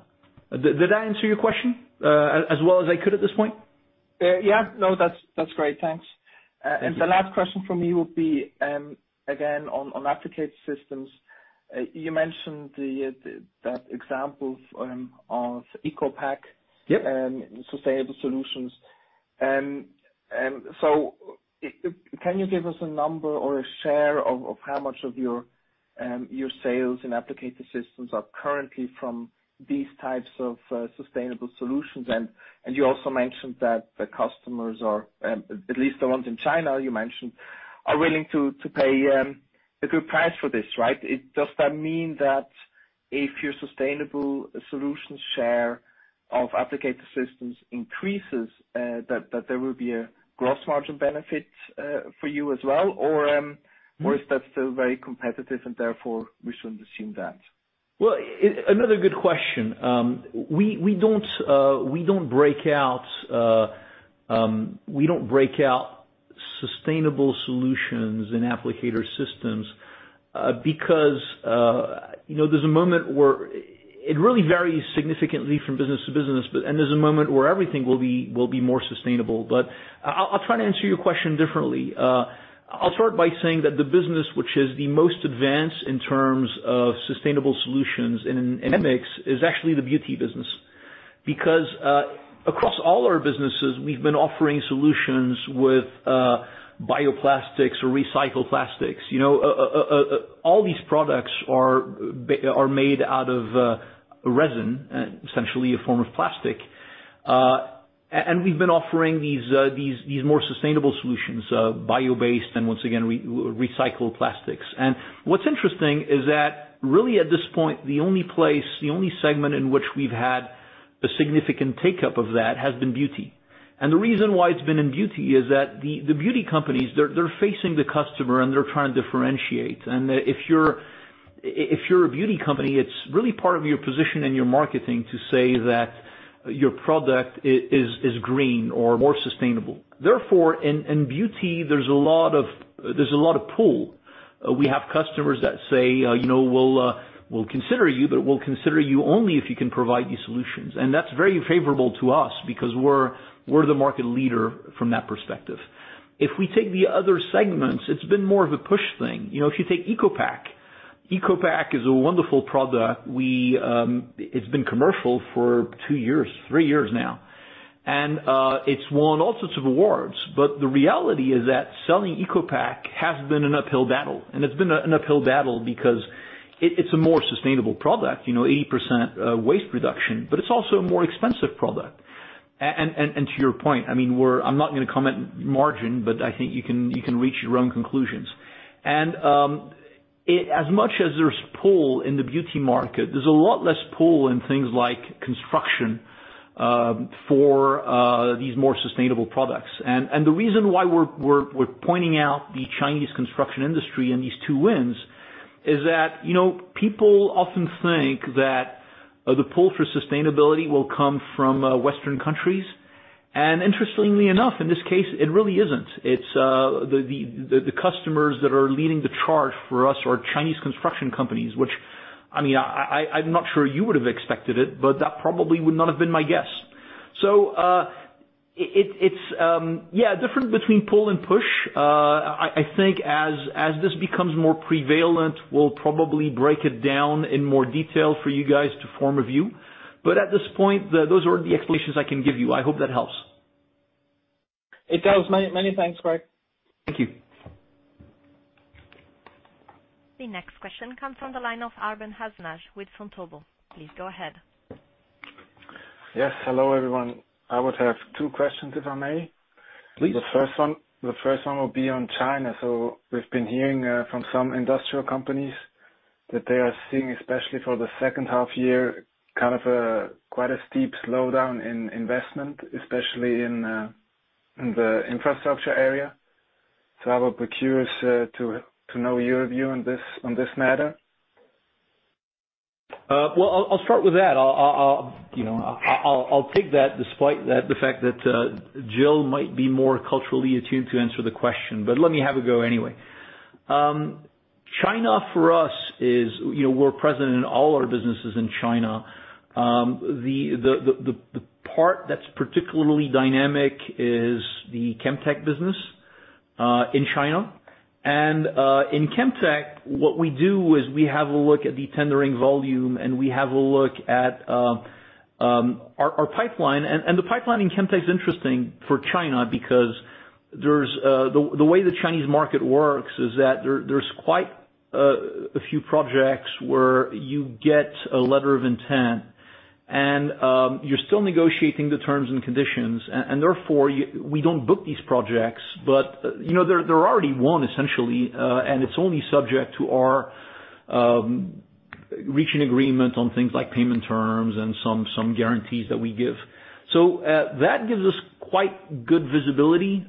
Did I answer your question as well as I could at this point? Yeah. No, that's great. Thanks. Thank you. The last question from me will be, again, on Applicator Systems. You mentioned that example of ecopaCC- Yep -sustainable solutions. Can you give us a number or a share of how much of your sales and Applicator Systems are currently from these types of sustainable solutions? You also mentioned that the customers are, at least the ones in China you mentioned, are willing to pay a good price for this, right? Does that mean that if your sustainable solutions share of Applicator Systems increases that there will be a gross margin benefit for you as well? or whereas that's still very competitive and therefore we shouldn't assume that? Well, another good question. We don't break out sustainable solutions and Applicator Systems, because there's a moment where it really varies significantly from business to business there's a moment where everything will be more sustainable but i'll try to answer your question differently. I'll start by saying that the business, which is the most advanced in terms of sustainable solutions in Medmix, is actually the beauty business. Because, across all our businesses, we've been offering solutions with bioplastics or recycled plastics you know, all these products are made out of resin, essentially a form of plastic. We've been offering these more sustainable solutions, bio-based, and once again, recycled plastics, and what's interesting is that really at this point, the only place, the only segment in which we've had a significant take-up of that has been beauty. The reason why it's been in beauty is that the beauty companies, they're facing the customer and they're trying to differentiate and if you're a beauty company, it's really part of your position and your marketing to say that your product is green or more sustainable. Therefore, in beauty, there's a lot of pull. We have customers that say, "We'll consider you, but we'll consider you only if you can provide these solutions." That's very favorable to us because we're the market leader from that perspective. If we take the other segments, it's been more of a push thing. If you take ecopaCC is a wonderful product. It's been commercial for two years, three years now. It's won all sorts of awards. The reality is that selling ecopaCC has been an uphill battle. It's been an uphill battle because it's a more sustainable product, 80% waste reduction, but it's also a more expensive product. And to your point, I'm not going to comment margin, but I think you can reach your own conclusions. As much as there's pull in the beauty market, there's a lot less pull in things like construction for these more sustainable products. The reason why we're pointing out the Chinese construction industry and these two wins is that, people often think that the pull for sustainability will come from Western countries. Interestingly enough, in this case, it really isn't- -The customers that are leading the charge for us are Chinese construction companies, which I'm not sure you would have expected it, but that probably would not have been my guess. It's different between pull and push. I think as this becomes more prevalent, we'll probably break it down in more detail for you guys to form a view. At this point, those are the explanations I can give you i hope that helps. It does. Many thanks, Greg. Thank you. The next question comes from the line of Arwen Hasnash with Frontobo. Please go ahead. Yes. Hello, everyone. I would have two questions, if I may. Please. The first one will be on China so, we've been hearing from some industrial companies that they are seeing, especially for the second half year, kind of quite a steep slowdown in investment, especially in the infrastructure area. I would be curious to know your view on this matter. Well, I'll start with that. I'll take that despite the fact that Jill might be more culturally attuned to answer the question, but let me have a go anyway. China for us is, we're present in all our businesses in China. The part that's particularly dynamic is the Chemtech business, in China. In Chemtech, what we do is we have a look at the tendering volume, and we have a look at our pipeline and the pipeline in Chemtech is interesting for China because the way the Chinese market works is that there's quite a few projects where you get a letter of intent and you're still negotiating the terms and conditions and therefore, we don't book these projects. They're already won essentially, and it's only subject to our reaching agreement on things like payment terms and some guarantees that we give. That gives us quite good visibility,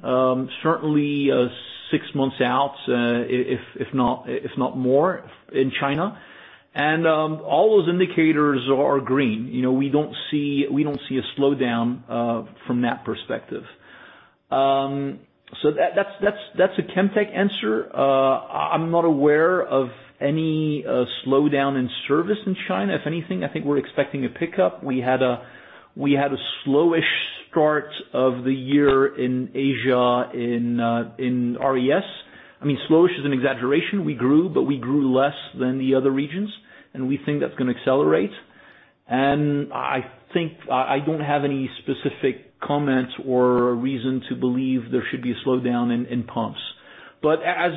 certainly, six months out, if not more in China. All those indicators are green, we don't see a slowdown from that perspective. That's a Chemtech answer. I'm not aware of any slowdown in service in China if anything, I think we're expecting a pickup we had a slow-ish start of the year in Asia in RES. Slow-ish is an exaggeration we grew, but we grew less than the other regions, and we think that's going to accelerate. I think I don't have any specific comments or a reason to believe there should be a slowdown in Pumps. As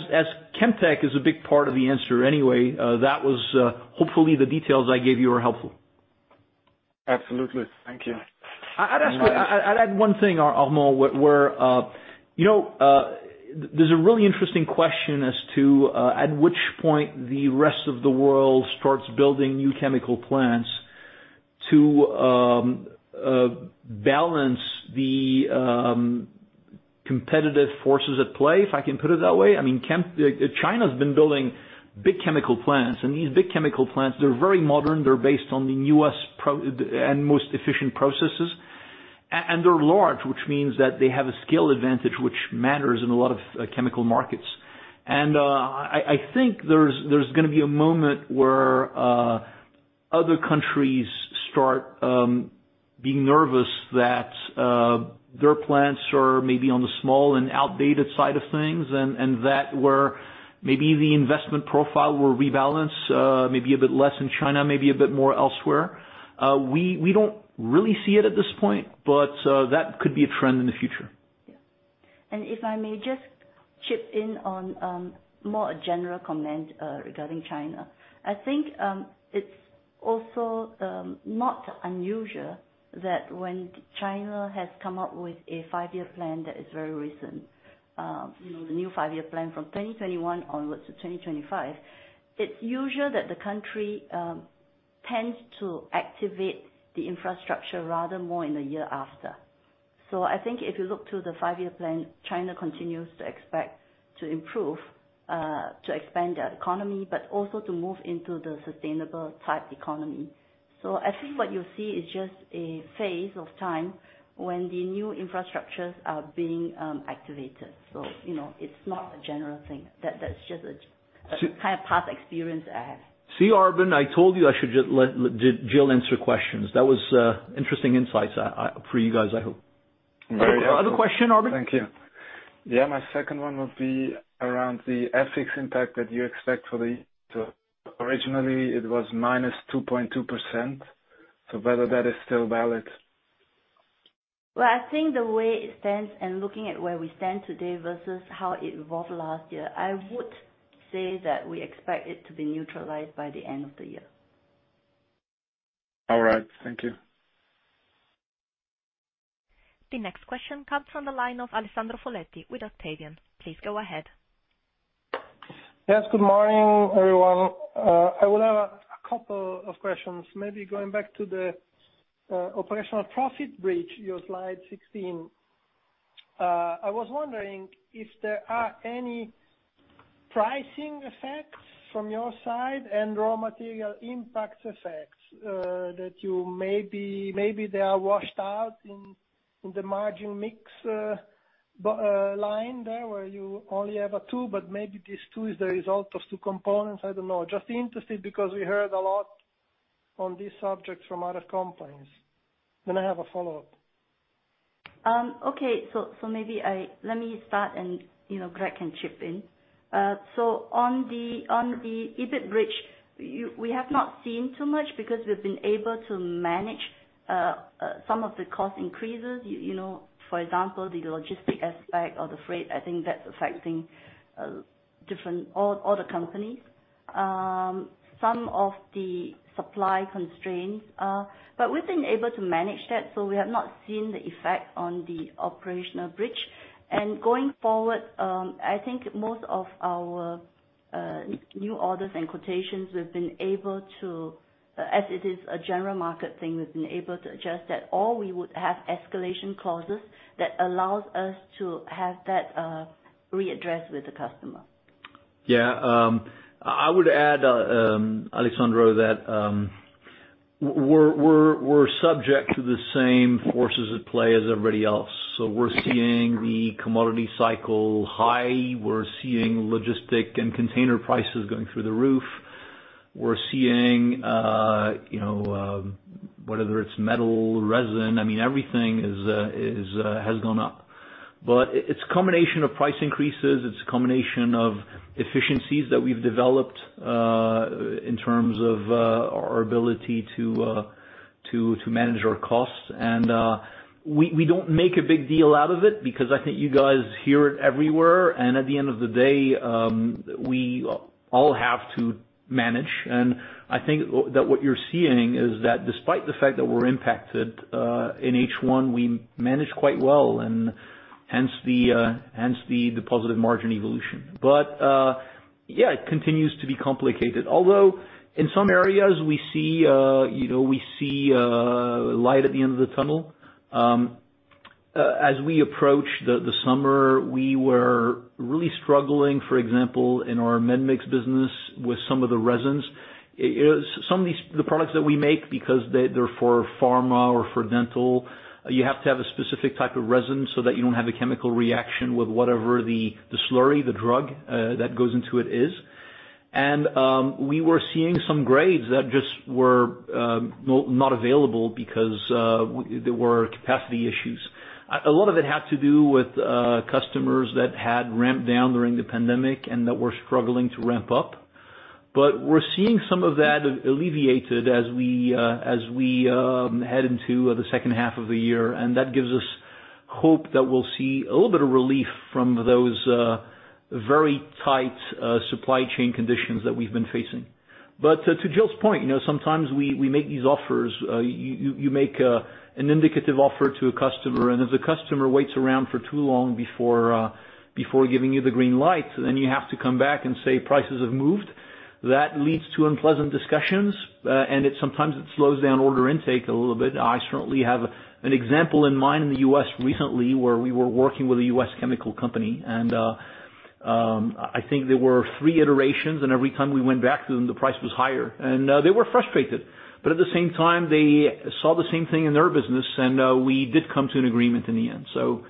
Chemtech is a big part of the answer anyway, hopefully, the details I gave you are helpful. Absolutely. Thank you. I'd add one thing, Arwen, where there's a really interesting question as to at which point the rest of the world starts building new chemical plants to balance the competitive forces at play, if I can put it that way China's been building big chemical plants, and these big chemical plants, they're very modern they're based on the newest and most efficient processes. They're large, which means that they have a scale advantage, which matters in a lot of chemical markets. I think there's going to be a moment where other countries start being nervous that their plants are maybe on the small and outdated side of things, and that where maybe the investment profile will rebalance, maybe a bit less in China, maybe a bit more elsewhere. We don't really see it at this point, but that could be a trend in the future. Yeah. If I may just chip in on more a general comment regarding China. I think it's also not unusual that when China has come up with a five-year plan that is very recent, the new five-year plan from 2021 onwards to 2025, it's usual that the country tends to activate the infrastructure rather more in the year after. I think if you look to the five-year plan, China continues to expect to improve, to expand their economy, but also to move into the sustainable type economy. I think what you see is just a phase of time when the new infrastructures are being activated so it's not a general thing, that's just a kind of past experience I have. Arwen, I told you I should just let Jill answer questions that was interesting insights for you guys, I hope. Very helpful. Other question, Arwen? Thank you yeah, my second one would be around the FX impact that you expect. Originally it was -2.2%, so whether that is still valid. Well, I think the way it stands and looking at where we stand today versus how it evolved last year, I would say that we expect it to be neutralized by the end of the year. All right. Thank you. The next question comes from the line of Alessandro Foletti with Octavian. Please go ahead. Yes, good morning, everyone. I would have two questions, maybe going back to the operational profit bridge, your slide 16. I was wondering if there are any pricing effects from your side and raw material impact effects that you maybe they are washed out in the margin mix line there, where you only have a two, but maybe this two is the result of two components i don't know just interested because we heard a lot on this subject from other companies. I have a follow-up. Okay. Maybe let me start and Greg can chip in. On the EBITDA bridge, we have not seen too much because we've been able to manage some of the cost increases for example, the logistic aspect of the freight, I think that's affecting all the companies. Some of the supply constraints. We've been able to manage that, we have not seen the effect on the operational bridge. Going forward, I think most of our new orders and quotations, as it is a general market thing, we've been able to adjust that or we would have escalation clauses that allows us to have that readdressed with the customer. Yeah. I would add, Alessandro, that we're subject to the same forces at play as everybody else so we're seeing the commodity cycle high, we're seeing logistic and container prices going through the roof. We're seeing, whether it's metal, resin, everything has gone up. It's a combination of price increases it's a combination of efficiencies that we've developed in terms of our ability to manage our costs. We don't make a big deal out of it because I think you guys hear it everywhere, and at the end of the day, we all have to manage. I think that what you're seeing is that despite the fact that we're impacted, in first half, we managed quite well, and hence the positive margin evolution. Yeah, it continues to be complicated although in some areas we see a light at the end of the tunnel. As we approach the summer, we were really struggling, for example, in our Medmix business with some of the resins. Some of the products that we make, because they're for pharma or for dental, you have to have a specific type of resin so that you don't have a chemical reaction with whatever the slurry, the drug that goes into it is. We were seeing some grades that just were not available because there were capacity issues. A lot of it had to do with customers that had ramped down during the pandemic and that were struggling to ramp up. We're seeing some of that alleviated as we head into the second half of the year, and that gives us hope that we'll see a little bit of relief from those very tight supply chain conditions that we've been facing. To Jill's point, sometimes we make these offers, you make an indicative offer to a customer, and if the customer waits around for too long before giving you the green light, then you have to come back and say prices have moved. That leads to unpleasant discussions, and sometimes it slows down order intake a little bit i certainly have an example in mind in the U.S. recently where we were working with a U.S. chemical company, and I think there were three iterations, and every time we went back to them, the price was higher, and they were frustrated. But at the same time, they saw the same thing in their business, and we did come to an agreement in the end so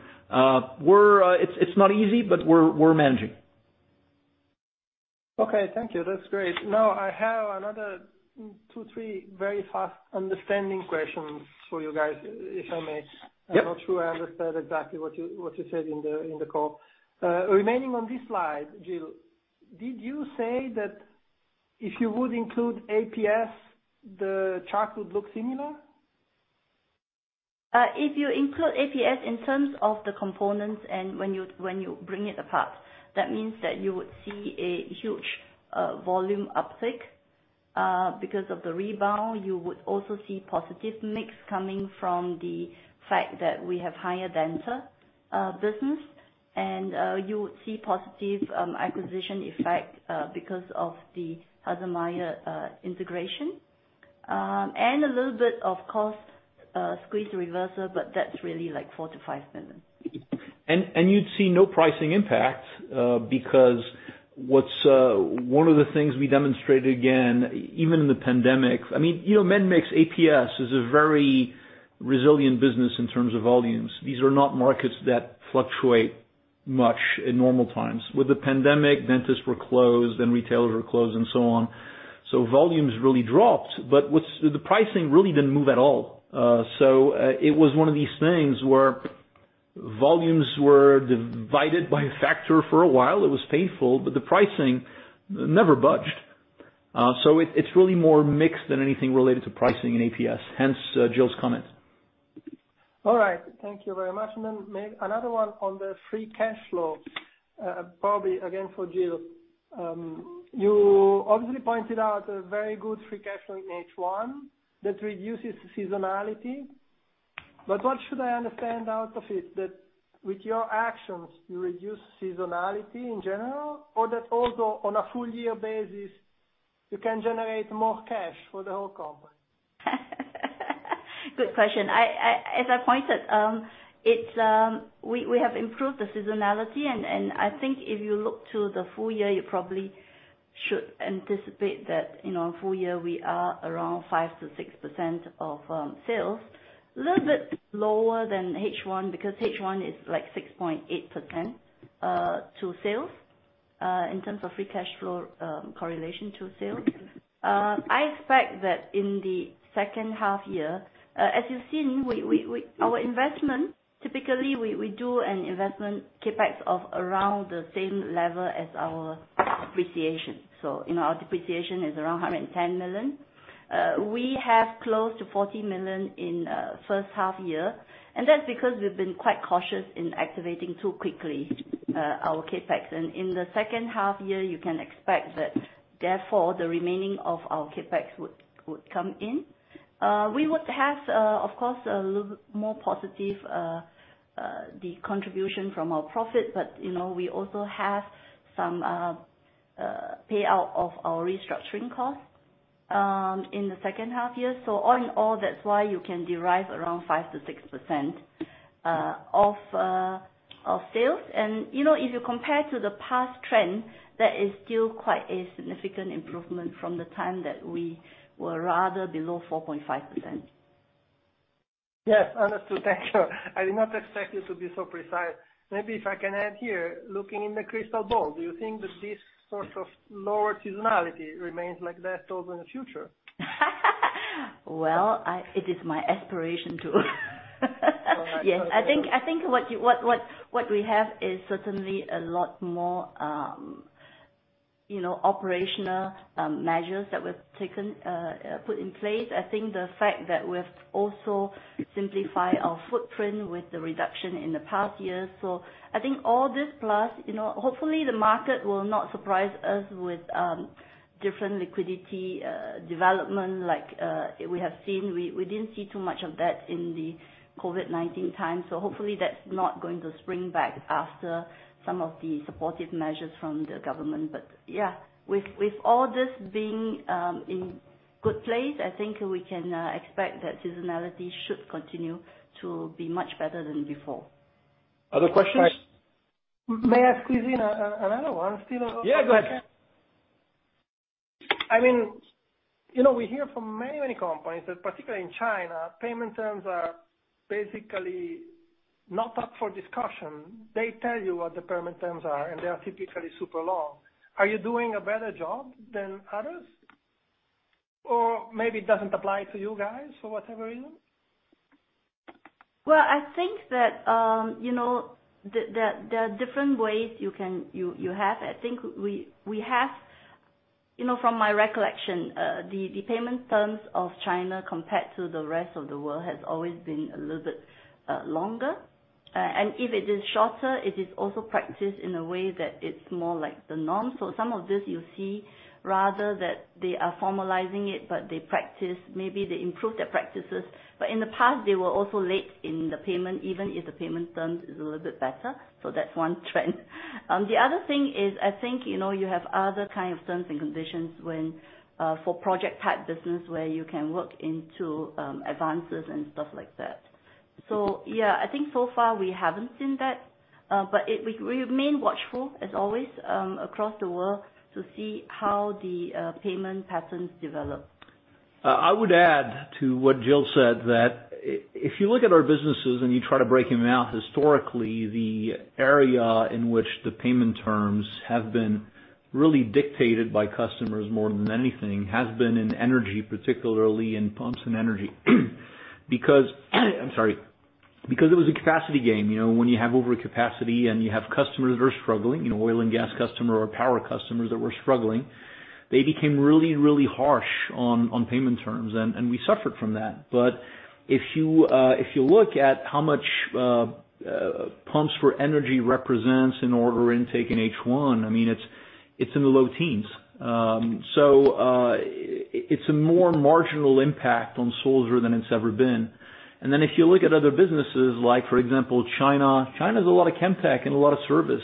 it's not easy, but we're managing. Okay, thank you. That's great. I have another two, three very fast understanding questions for you guys, if I may. Yep. I'm not sure I understood exactly what you said in the call. Remaining on this slide, Jill, did you say that if you would include APS, the chart would look similar? If you include APS in terms of the components and when you bring it apart, that means that you would see a huge volume uptick. Because of the rebound, you would also see positive mix coming from the fact that we have higher denser business. You would see positive acquisition effect because of the Haselmeier integration. A little bit of cost squeeze reversal, but that's really 4 million-5 million. You'd see no pricing impact, because one of the things we demonstrated again, even in the pandemic, Medmix APS is a very resilient business in terms of volumes. These are not markets that fluctuate much in normal times, with the pandemic, dentists were closed, and retailers were closed, and so on. Volumes really dropped, but the pricing really didn't move at all. It was one of these things where volumes were divided by a factor for a while it was painful, but the pricing never budged. It's really more mix than anything related to pricing in APS, hence Jill's comment. All right, thank you very much maybe another one on the Free Cash Flow, probably again for Jill. You obviously pointed out a very good Free Cash Flow in first half that reduces seasonality. What should I understand out of it? That with your actions, you reduce seasonality in general? or that also on a full year basis you can generate more cash for the whole company? Good question. As I pointed, we have improved the seasonality and i think if you look to the full year, you probably should anticipate that in our full year we are around 5%-6% of sales. A little bit lower than first half, because first half is like 6.8% of sales, in terms of Free Cash Flow correlation to sales. I expect that in the second half year. As you've seen, our investment, typically we do an investment CapEx of around the same level as our depreciation. Our depreciation is around 110 million. We have close to 40 million in first half year. That's because we've been quite cautious in activating too quickly our CapEx in the second half year, you can expect that therefore the remaining of our CapEx would come in. We would have, of course, a little more positive contribution from our profit but you know we also have some payout of our restructuring costs in the second half year so all in all, that's why you can derive around 5%-6% of sales. If you compare to the past trend, that is still quite a significant improvement from the time that we were rather below 4.5%. Yes, understood thank you. I did not expect you to be so precise. Maybe if I can add here, looking in the crystal ball, do you think that this sort of lower seasonality remains like that also in the future? Well, it is my aspiration to. All right. I think what we have is certainly a lot more operational measures that we've put in place i think the fact that we've also simplified our footprint with the reduction in the past year. I think all this, plus hopefully the market will not surprise us with different liquidity development like we have seen we didn't see too much of that in the COVID-19 time so hopefully, that's not going to spring back after some of the supportive measures from the government. With all this being in good place, I think we can expect that seasonality should continue to be much better than before. Other questions? May I ask you another one, still? Yeah, go ahead. We hear from many, many companies that particularly in China, payment terms are basically not up for discussion. They tell you what the payment terms are, and they are typically super long. Are you doing a better job than others? Or maybe it doesn't apply to you guys for whatever reason? Well, I think that there are different ways you have i think from my recollection, the payment terms of China compared to the rest of the world has always been a little bit longer. If it is shorter, it is also practiced in a way that it's more like the norm, some of this you see rather that they are formalizing it, but they practice, maybe they improve their practices. In the past, they were also late in the payment, even if the payment terms is a little bit better. That's one trend. The other thing is, I think, you have other kind of terms and conditions when for project type business where you can work into advances and stuff like that. Yeah, I think so far we haven't seen that. We remain watchful as always, across the world to see how the payment patterns develop. I would add to what Jill said, that if you look at our businesses and you try to break them out historically, the area in which the payment terms have been really dictated by customers more than anything has been in energy, particularly in pumps and energy. I'm sorry, because it was a capacity game when you have overcapacity and you have customers that are struggling, oil and gas customer or power customers that were struggling, they became really harsh on payment terms, and we suffered from that. If you look at how much pumps for energy represents in order intake in first half, it's in the low teens. It's a more marginal impact on Sulzer than it's ever been. If you look at other businesses, like for example, China is a lot of Chemtech and a lot of service.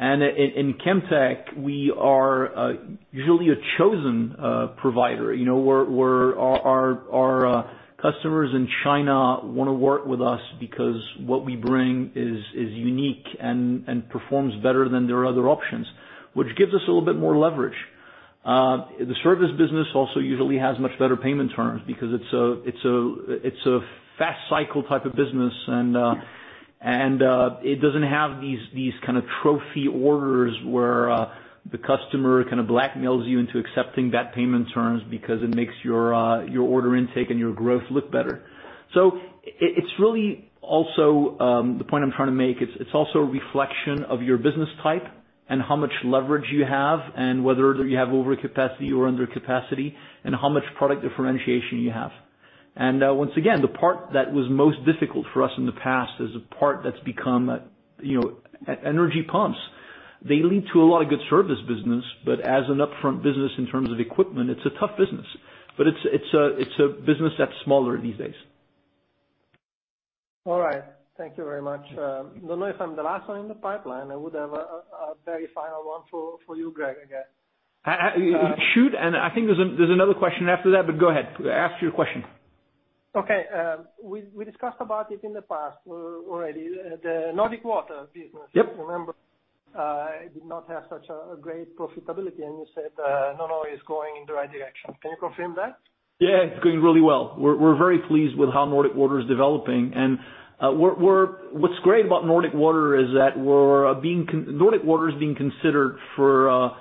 In Chemtech, we are usually a chosen provider you know, our customers in China want to work with us because what we bring is unique and performs better than their other options, which gives us a little bit more leverage. The service business also usually has much better payment terms because it's a fast cycle type of business and it doesn't have these kind of trophy orders where the customer kind of blackmails you into accepting that payment terms because it makes your order intake and your growth look better. The point I'm trying to make, it's also a reflection of your business type and how much leverage you have and whether you have overcapacity or under capacity and how much product differentiation you have. Once again, the part that was most difficult for us in the past is energy pumps. They lead to a lot of good service business, but as an upfront business in terms of equipment, it's a tough business. It's a business that's smaller these days. All right. Thank you very much. I don't know if I'm the last one in the pipeline i would have a very final one for you, Greg, I guess. Shoot, and I think there's another question after that, but go ahead. Ask your question. Okay. We discussed about it in the past already, the Nordic Water business. Yep. Remember, it did not have such a great profitability, and you said, "No, no, it's going in the right direction." Can you confirm that? Yeah, it's going really well. We're very pleased with how Nordic Water is developing. What's great about Nordic Water is that Nordic Water is being considered for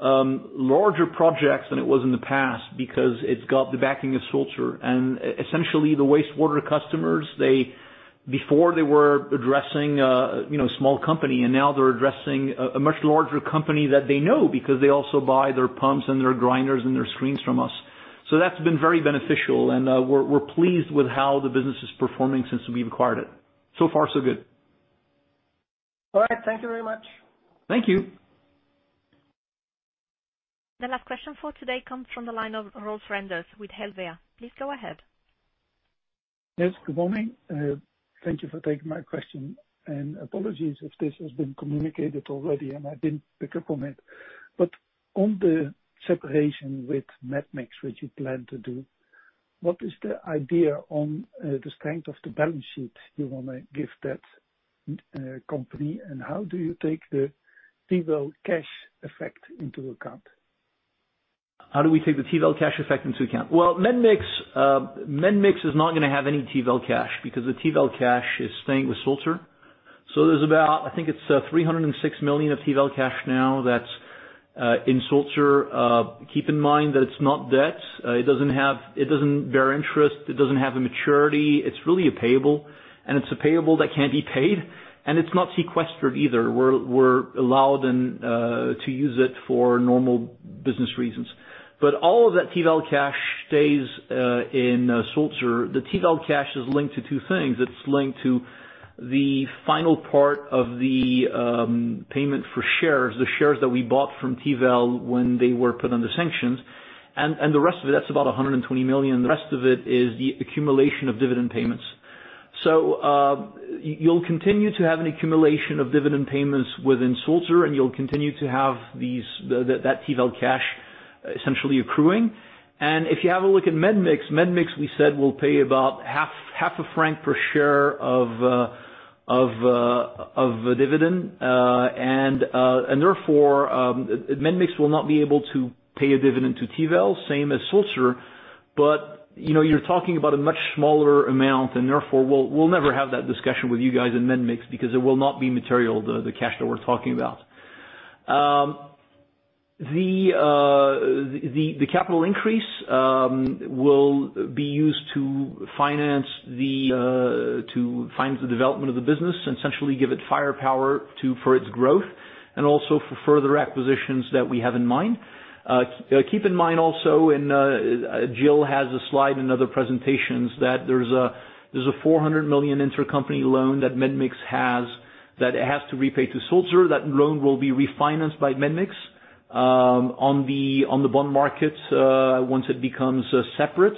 larger projects than it was in the past because it's got the backing of Sulzer and, essentially the wastewater customers, before they were addressing a small company and now they're addressing a much larger company that they know because they also buy their pumps and their grinders and their screens from us. That's been very beneficial, and we're pleased with how the business is performing since we've acquired it. So far, so good. All right. Thank you very much. Thank you. The last question for today comes from the line of Roel van Endert with Helvea. Please go ahead. Yes, good morning. Thank you for taking my question, and apologies if this has been communicated already, and I didn't pick up on it. On the separation with Medmix, which you plan to do, what is the idea on the strength of the balance sheet you want to give that company, and how do you take the Tiwel cash effect into account? How do we take the Tiwel cash effect into account? well, Medmix is not gonna have any Tiwel cash because the Tiwel cash is staying with Sulzer. There's about, I think it's 306 million of Tiwel cash now that's in Sulzer. Keep in mind that it's not debt. It doesn't bear interest it doesn't have a maturity. It's really a payable, and it's a payable that can't be paid. It's not sequestered either we're allowed to use it for normal business reasons. All of that Tiwel cash stays in Sulzer. The Tiwel cash is linked to two things. It's linked to the final part of the payment for shares, the shares that we bought from Tiwel when they were put under sanctions. The rest of it, that's about 120 million, the rest of it is the accumulation of dividend payments. You'll continue to have an accumulation of dividend payments within Sulzer, and you'll continue to have that Tiwel cash essentially accruing. If you have a look at Medmix we said will pay about half a franc per share of a dividend. Therefore, Medmix will not be able to pay a dividend to Tiwel, same as Sulzer. You're talking about a much smaller amount, and therefore, we'll never have that discussion with you guys in Medmix because it will not be material, the cash that we're talking about. The capital increase will be used to finance the development of the business and essentially give it firepower for its growth, and also for further acquisitions that we have in mind. Keep in mind also, Jill Lee has a slide in other presentations, that there's a 400 million intercompany loan that Medmix has, that it has to repay to Sulzer that loan will be refinanced by Medmix on the bond market once it becomes separate.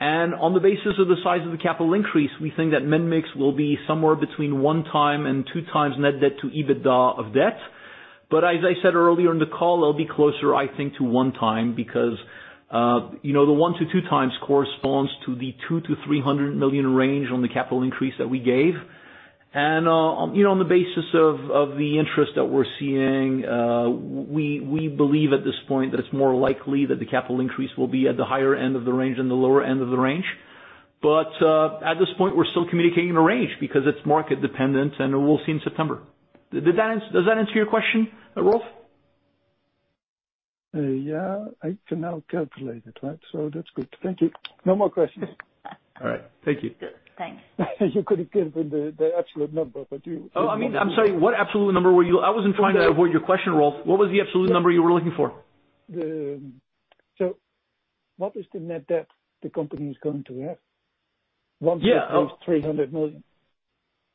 On the basis of the size of the capital increase, we think that Medmix will be somewhere between 1x and 2x net debt to EBITDA of debt. As I said earlier in the call, it'll be closer, I think, to 1x because the 1-2x corresponds to the 200 million-300 million range on the capital increase that we gave. On the basis of the interest that we're seeing, we believe at this point that it's more likely that the capital increase will be at the higher end of the range than the lower end of the range. At this point, we're still communicating a range because it's market dependent, and we will see in September. Does that answer your question, Roel? Yeah. I can now calculate it, right? That's good. Thank you. No more questions. All right. Thank you. Thanks. You could have given the absolute number. Oh, I'm sorry. I wasn't trying to avoid your question, Roel. What was the absolute number you were looking for? What is the net debt the company is going to have once they raise 300 million?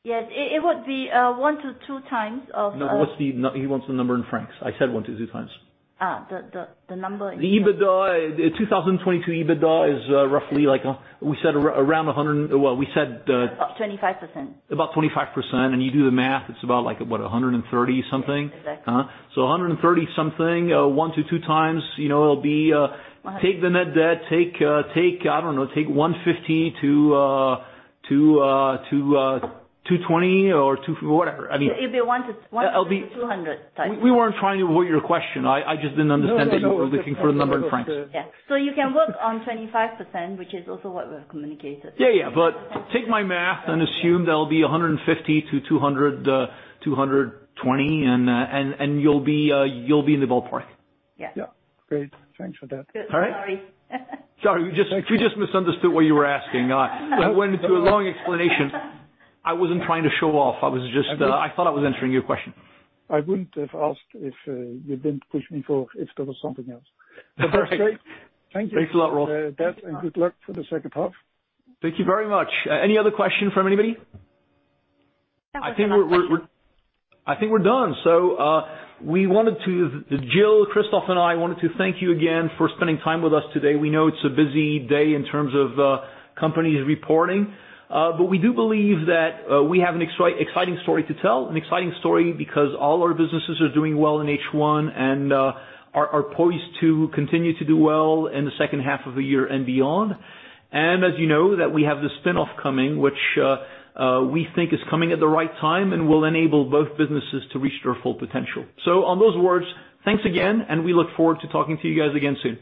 Yes, it would be 1-2x of- No, he wants the number in francs. I said 1 to 2 times. the number in- The 2022 EBITDA is roughly, we said around 100. About 25%. About 25%, and you do the math, it's about like, what, 130 something? Yes, exactly. 130 something, 1-2 times, it'll be, take the net debt, take 150-220 or 2 whatever. It'll be 1-200 times. We weren't trying to avoid your question. I just didn't understand that you were looking for the number in francs. No. It's okay. Yeah you can work on 25%, which is also what we have communicated. Yeah. Take my math and assume that it'll be 150-200, 220, and you'll be in the ballpark. Yeah. Yeah. Great. Thanks for that. Sorry. Sorry, we just misunderstood what you were asking. I went into a long explanation. I wasn't trying to show off i thought I was answering your question. I wouldn't have asked if you didn't push me for if there was something else. That's great. Thank you. Thanks a lot, Roel. Good luck for the second half. Thank you very much. Any other question from anybody? I think we are done. Jill, Christoph, and I wanted to thank you again for spending time with us today we know it is a busy day in terms of companies reporting. We do believe that we have an exciting story to tell, an exciting story because all our businesses are doing well in first half and are poised to continue to do well in the second half of the year and beyond. As you know, that we have this spin-off coming, which we think is coming at the right time and will enable both businesses to reach their full potential. On those words, thanks again, and we look forward to talking to you guys again soon.